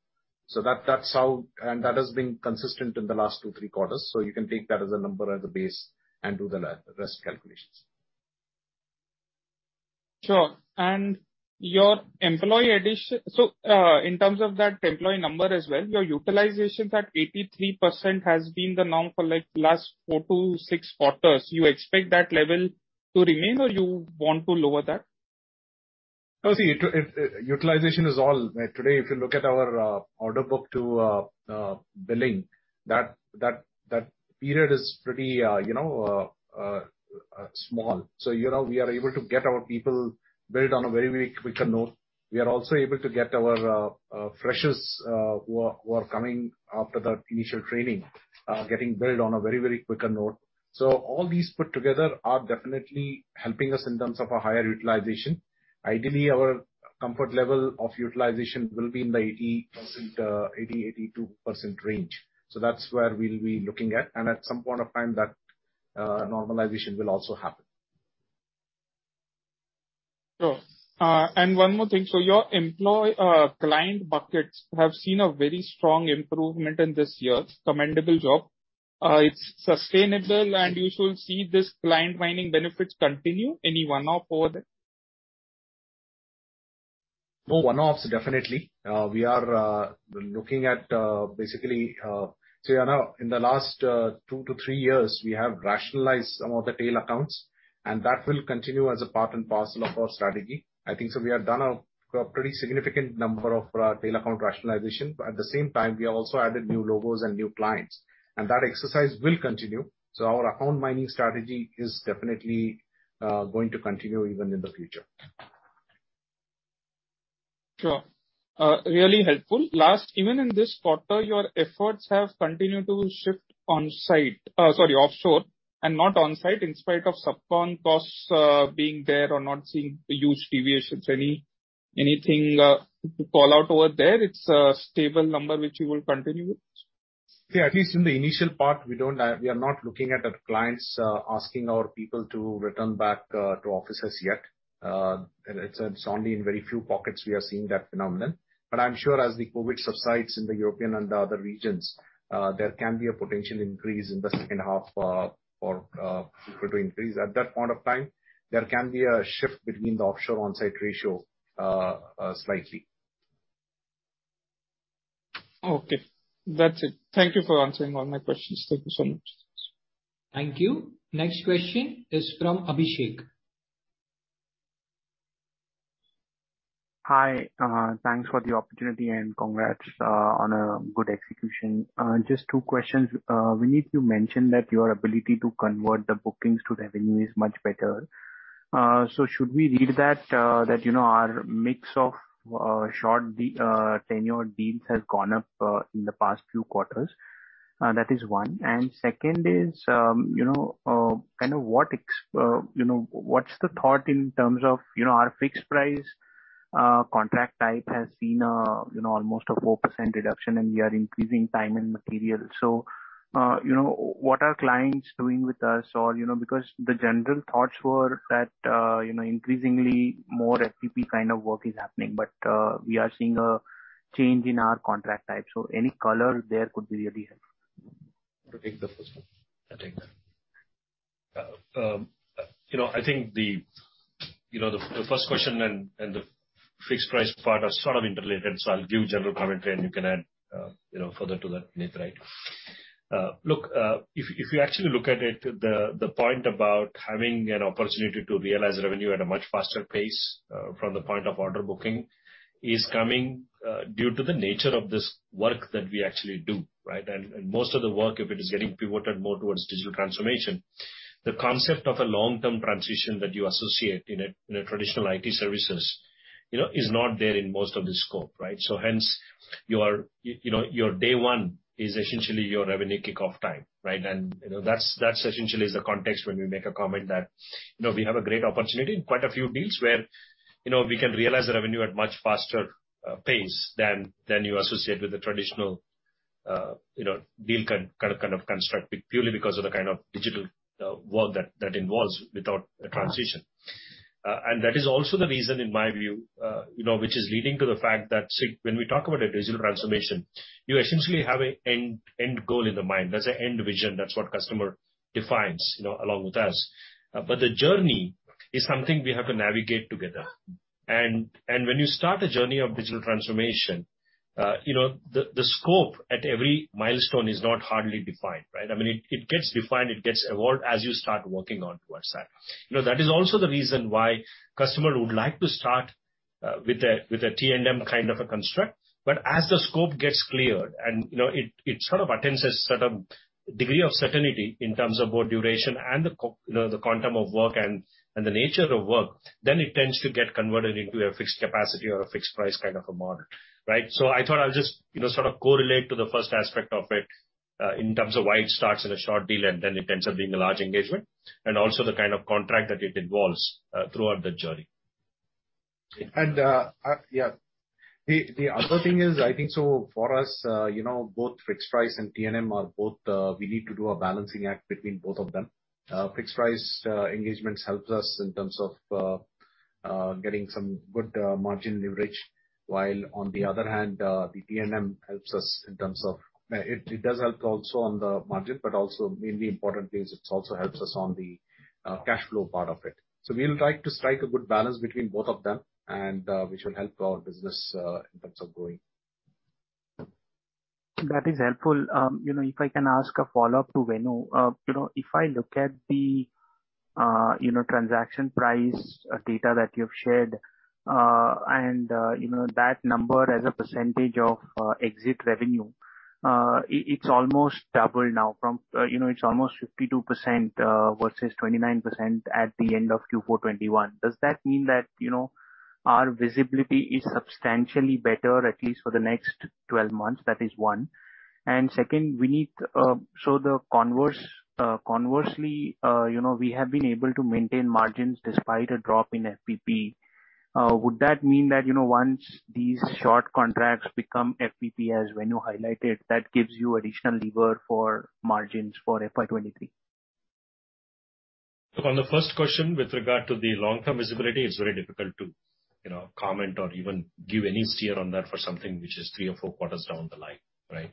[SPEAKER 4] So that's how. That has been consistent in the last two to three quarters, so you can take that as a number as a base and do the rest calculations.
[SPEAKER 13] Sure. Your employee addition. In terms of that employee number as well, your utilization's at 83% has been the norm for like last 4-6 quarters. You expect that level to remain or you want to lower that?
[SPEAKER 4] No, see, utilization is all. Today, if you look at our book-to-bill, that period is pretty, you know, small. You know, we are able to get our people billed on a very quick note. We are also able to get our freshers who are coming after the initial training getting billed on a very quick note. All these put together are definitely helping us in terms of a higher utilization. Ideally, our comfort level of utilization will be in the 80%-82% range. That's where we'll be looking at. At some point of time, that normalization will also happen.
[SPEAKER 13] Sure. One more thing. Your employee client buckets have seen a very strong improvement this year. Commendable job. It's sustainable and you should see this client mining benefits continue, any one-off over there?
[SPEAKER 4] No one-offs, definitely. We are looking at basically you know, in the last 2-3 years we have rationalized some of the tail accounts, and that will continue as a part and parcel of our strategy. I think so we have done a pretty significant number of tail account rationalization. At the same time, we have also added new logos and new clients, and that exercise will continue. Our account mining strategy is definitely going to continue even in the future.
[SPEAKER 13] Sure. Really helpful. Lastly, even in this quarter, your efforts have continued to shift offshore and not on-site in spite of sub-con costs being there or not seeing huge deviations. Anything to call out over there? It's a stable number which you will continue with?
[SPEAKER 4] Yeah, at least in the initial part, we are not looking at our clients asking our people to return back to offices yet. It's only in very few pockets we are seeing that phenomenon. I'm sure as the COVID subsides in the European and the other regions, there can be a potential increase in the second half for people to increase. At that point of time, there can be a shift between the offshore/on-site ratio slightly.
[SPEAKER 13] Okay. That's it. Thank you for answering all my questions. Thank you so much.
[SPEAKER 1] Thank you. Next question is from Abhishek.
[SPEAKER 14] Hi. Thanks for the opportunity and congrats on a good execution. Just two questions. Vinit, you mentioned that your ability to convert the bookings to revenue is much better. So should we read that, you know, our mix of short tenure deals has gone up in the past few quarters? That is one. Second is, you know, kind of what, you know, what's the thought in terms of, you know, our fixed price contract type has seen, you know, almost a 4% reduction and we are increasing time and material. You know, what are clients doing with us or, you know, because the general thoughts were that, you know, increasingly more FPP kind of work is happening, but we are seeing a change in our contract type. Any color there could be really helpful.
[SPEAKER 4] I'll take the first one.
[SPEAKER 6] I'll take that. You know, I think the first question and the fixed price part are sort of interrelated, so I'll give general commentary, and you can add, you know, further to that, Vinit, right? Look, if you actually look at it, the point about having an opportunity to realize revenue at a much faster pace from the point of order booking is coming due to the nature of this work that we actually do, right? Most of the work, if it is getting pivoted more towards digital transformation, the concept of a long-term transition that you associate in a traditional IT services, you know, is not there in most of the scope, right? Hence you know, your day one is essentially your revenue kickoff time, right? You know, that's essentially is the context when we make a comment that, you know, we have a great opportunity in quite a few deals where, you know, we can realize the revenue at much faster pace than you associate with the traditional
[SPEAKER 3] You know, deals can kind of be constructed purely because of the kind of digital work that involves without a transition. That is also the reason in my view, you know, which is leading to the fact that see, when we talk about a digital transformation, you essentially have an end goal in the mind. That's an end vision. That's what customer defines, you know, along with us. The journey is something we have to navigate together. When you start a journey of digital transformation, you know, the scope at every milestone is not hardly defined, right? I mean, it gets defined, it gets evolved as you start working on towards that. You know, that is also the reason why customer would like to start with a T&M kind of a construct. As the scope gets cleared and, you know, it sort of attains a sort of degree of certainty in terms of both duration and the quantum of work and the nature of work, then it tends to get converted into a fixed capacity or a fixed price kind of a model, right? I thought I'll just, you know, sort of correlate to the first aspect of it, in terms of why it starts at a short deal and then it ends up being a large engagement, and also the kind of contract that it involves throughout the journey.
[SPEAKER 4] The other thing is, I think so for us, you know, both fixed price and T&M are both we need to do a balancing act between both of them. Fixed price engagements helps us in terms of getting some good margin leverage, while on the other hand, the T&M helps us in terms of it does help also on the margin, but also mainly importantly, it also helps us on the cash flow part of it. We'll like to strike a good balance between both of them and which will help our business in terms of growing.
[SPEAKER 14] That is helpful. You know, if I can ask a follow-up to Venu. You know, if I look at the, you know, transaction price data that you've shared, and, you know, that number as a percentage of, exit revenue, it's almost doubled now from, you know, it's almost 52%, versus 29% at the end of Q4 2021. Does that mean that, you know, our visibility is substantially better, at least for the next 12 months? That is one. Second, conversely, you know, we have been able to maintain margins despite a drop in FPP. Would that mean that, you know, once these short contracts become FPP, as Venu highlighted, that gives you additional lever for margins for FY 2023?
[SPEAKER 3] On the first question, with regard to the long-term visibility, it's very difficult to, you know, comment or even give any steer on that for something which is three or four quarters down the line, right?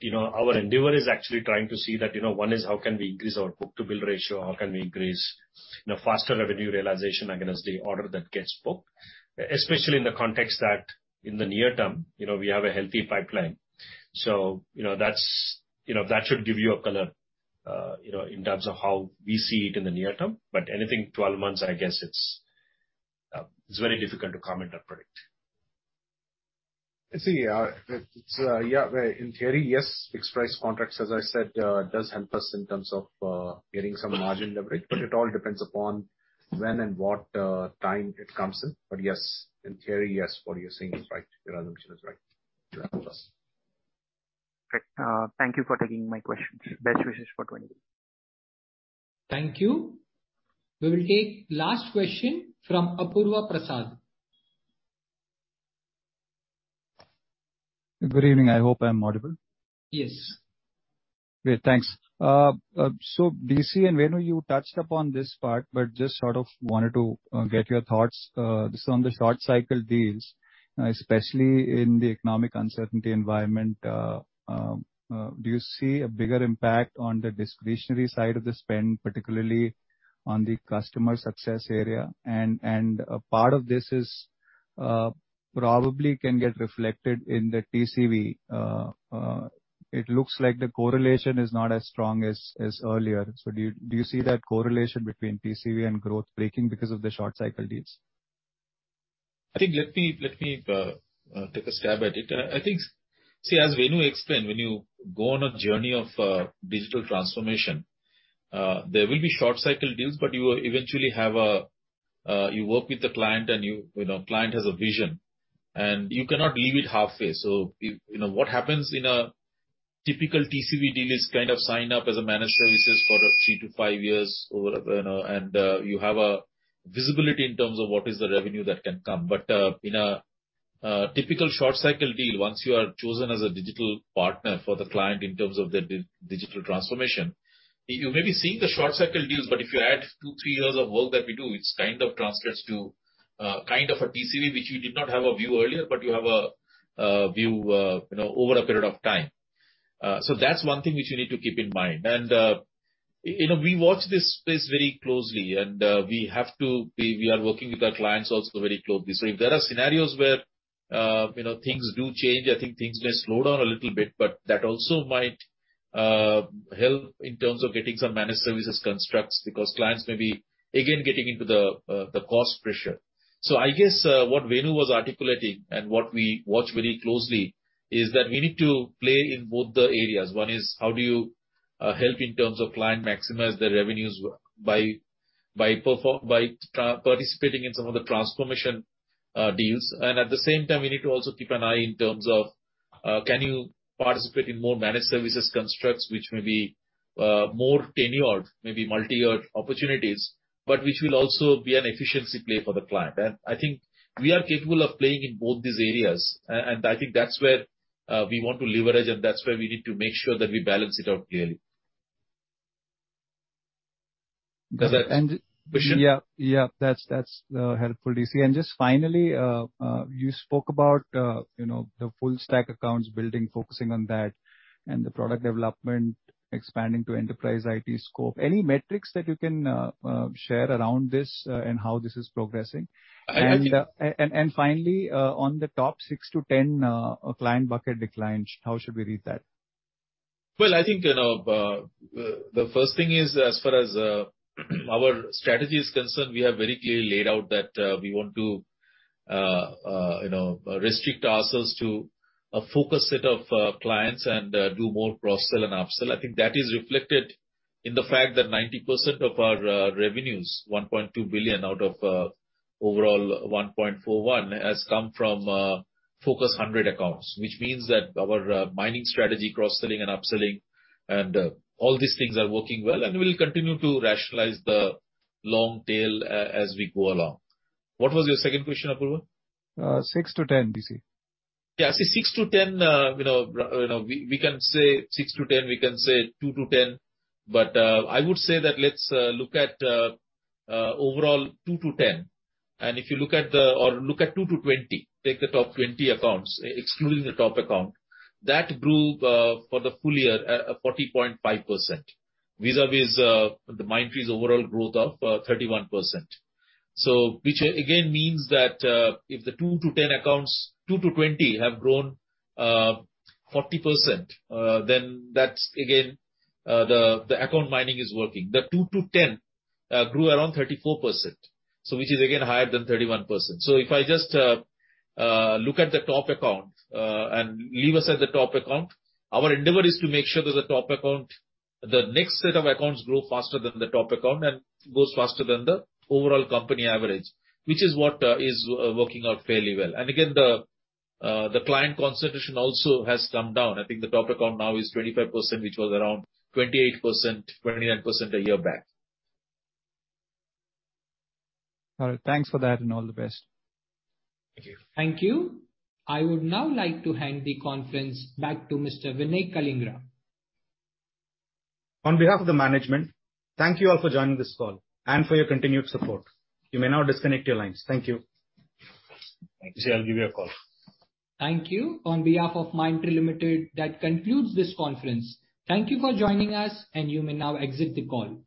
[SPEAKER 3] You know, our endeavor is actually trying to see that, you know, one is how can we increase our book-to-bill ratio, how can we increase, you know, faster revenue realization against the order that gets booked. Especially in the context that in the near term, you know, we have a healthy pipeline. You know, that's, you know, that should give you a color, you know, in terms of how we see it in the near term, but anything 12 months, I guess it's very difficult to comment or predict.
[SPEAKER 4] Let's see, it's yeah, in theory, yes, fixed price contracts, as I said, does help us in terms of getting some margin leverage. It all depends upon when and what time it comes in. Yes, in theory, yes, what you're saying is right. Your assumption is right. It helps us.
[SPEAKER 14] Great. Thank you for taking my questions. Best wishes for 2023.
[SPEAKER 1] Thank you. We will take last question from Apurva Prasad.
[SPEAKER 15] Good evening. I hope I'm audible.
[SPEAKER 1] Yes.
[SPEAKER 15] Great. Thanks. DC and Venu, you touched upon this part, but just sort of wanted to get your thoughts just on the short cycle deals especially in the economic uncertainty environment. Do you see a bigger impact on the discretionary side of the spend, particularly on the customer success area? A part of this is probably can get reflected in the TCV. It looks like the correlation is not as strong as earlier. Do you see that correlation between TCV and growth breaking because of the short cycle deals?
[SPEAKER 3] I think let me take a stab at it. I think. See, as Venu explained, when you go on a journey of digital transformation, there will be short cycle deals, but you will eventually have to work with the client and you know, client has a vision and you cannot leave it halfway. You know, what happens in a typical TCV deal is kind of sign up as a managed services for three to five years or whatever, you know, and you have a visibility in terms of what is the revenue that can come. In a typical short cycle deal, once you are chosen as a digital partner for the client in terms of the digital transformation, you may be seeing the short cycle deals, but if you add 2, 3 years of work that we do, it kind of translates to kind of a TCV, which you did not have a view earlier, but you have a view you know over a period of time. So that's one thing which you need to keep in mind. You know, we watch this space very closely, and we are working with our clients also very closely. If there are scenarios where, you know, things do change, I think things may slow down a little bit, but that also might help in terms of getting some managed services constructs because clients may be again getting into the cost pressure. I guess, what Venu was articulating and what we watch very closely is that we need to play in both the areas. One is how do you help in terms of clients maximize their revenues by participating in some of the transformation deals. At the same time, we need to also keep an eye in terms of can you participate in more managed services constructs which may be more tenured, maybe multi-year opportunities, but which will also be an efficiency play for the client. I think we are capable of playing in both these areas. I think that's where we want to leverage, and that's where we need to make sure that we balance it out clearly. Does that
[SPEAKER 15] And-
[SPEAKER 3] Question?
[SPEAKER 15] Yeah, yeah. That's helpful, DC. Just finally, you spoke about, you know, the full stack accounts building, focusing on that and the product development expanding to enterprise IT scope. Any metrics that you can share around this, and how this is progressing?
[SPEAKER 3] I think.
[SPEAKER 15] Finally, on the top 6-10 client bucket declines, how should we read that?
[SPEAKER 3] Well, I think, you know, the first thing is as far as our strategy is concerned, we have very clearly laid out that we want to, you know, restrict ourselves to a focused set of clients and do more cross-sell and upsell. I think that is reflected in the fact that 90% of our revenues, 1.2 billion out of overall 1.41 billion, has come from Focus 100 accounts. Which means that our mining strategy, cross-selling and upselling and all these things are working well. We'll continue to rationalize the long tail as we go along. What was your second question, Apurva?
[SPEAKER 15] 6-10, DC.
[SPEAKER 3] Yeah, see 6-10, you know, we can say 6-10, we can say 2-10, but I would say that let's look at overall 2-10. If you look at the. Or look at 2-20. Take the top 20 accounts, excluding the top account. That grew for the full year 40.5% vis-à-vis the Mindtree's overall growth of 31%. So which again means that if the 2-10 accounts, 2-20 have grown 40%, then that's again the account mining is working. The 2-10 grew around 34%, so which is again higher than 31%. If I just look at the top account and leave aside the top account, our endeavor is to make sure that the top account, the next set of accounts grow faster than the top account and grows faster than the overall company average, which is what is working out fairly well. Again, the client concentration also has come down. I think the top account now is 25%, which was around 28%, 29% a year back.
[SPEAKER 15] All right. Thanks for that, and all the best.
[SPEAKER 3] Thank you.
[SPEAKER 1] Thank you. I would now like to hand the conference back to Mr. Vinay Kalingara.
[SPEAKER 2] On behalf of the management, thank you all for joining this call and for your continued support. You may now disconnect your lines. Thank you.
[SPEAKER 3] Thank you. See, I'll give you a call.
[SPEAKER 1] Thank you. On behalf of Mindtree Limited, that concludes this conference. Thank you for joining us, and you may now exit the call.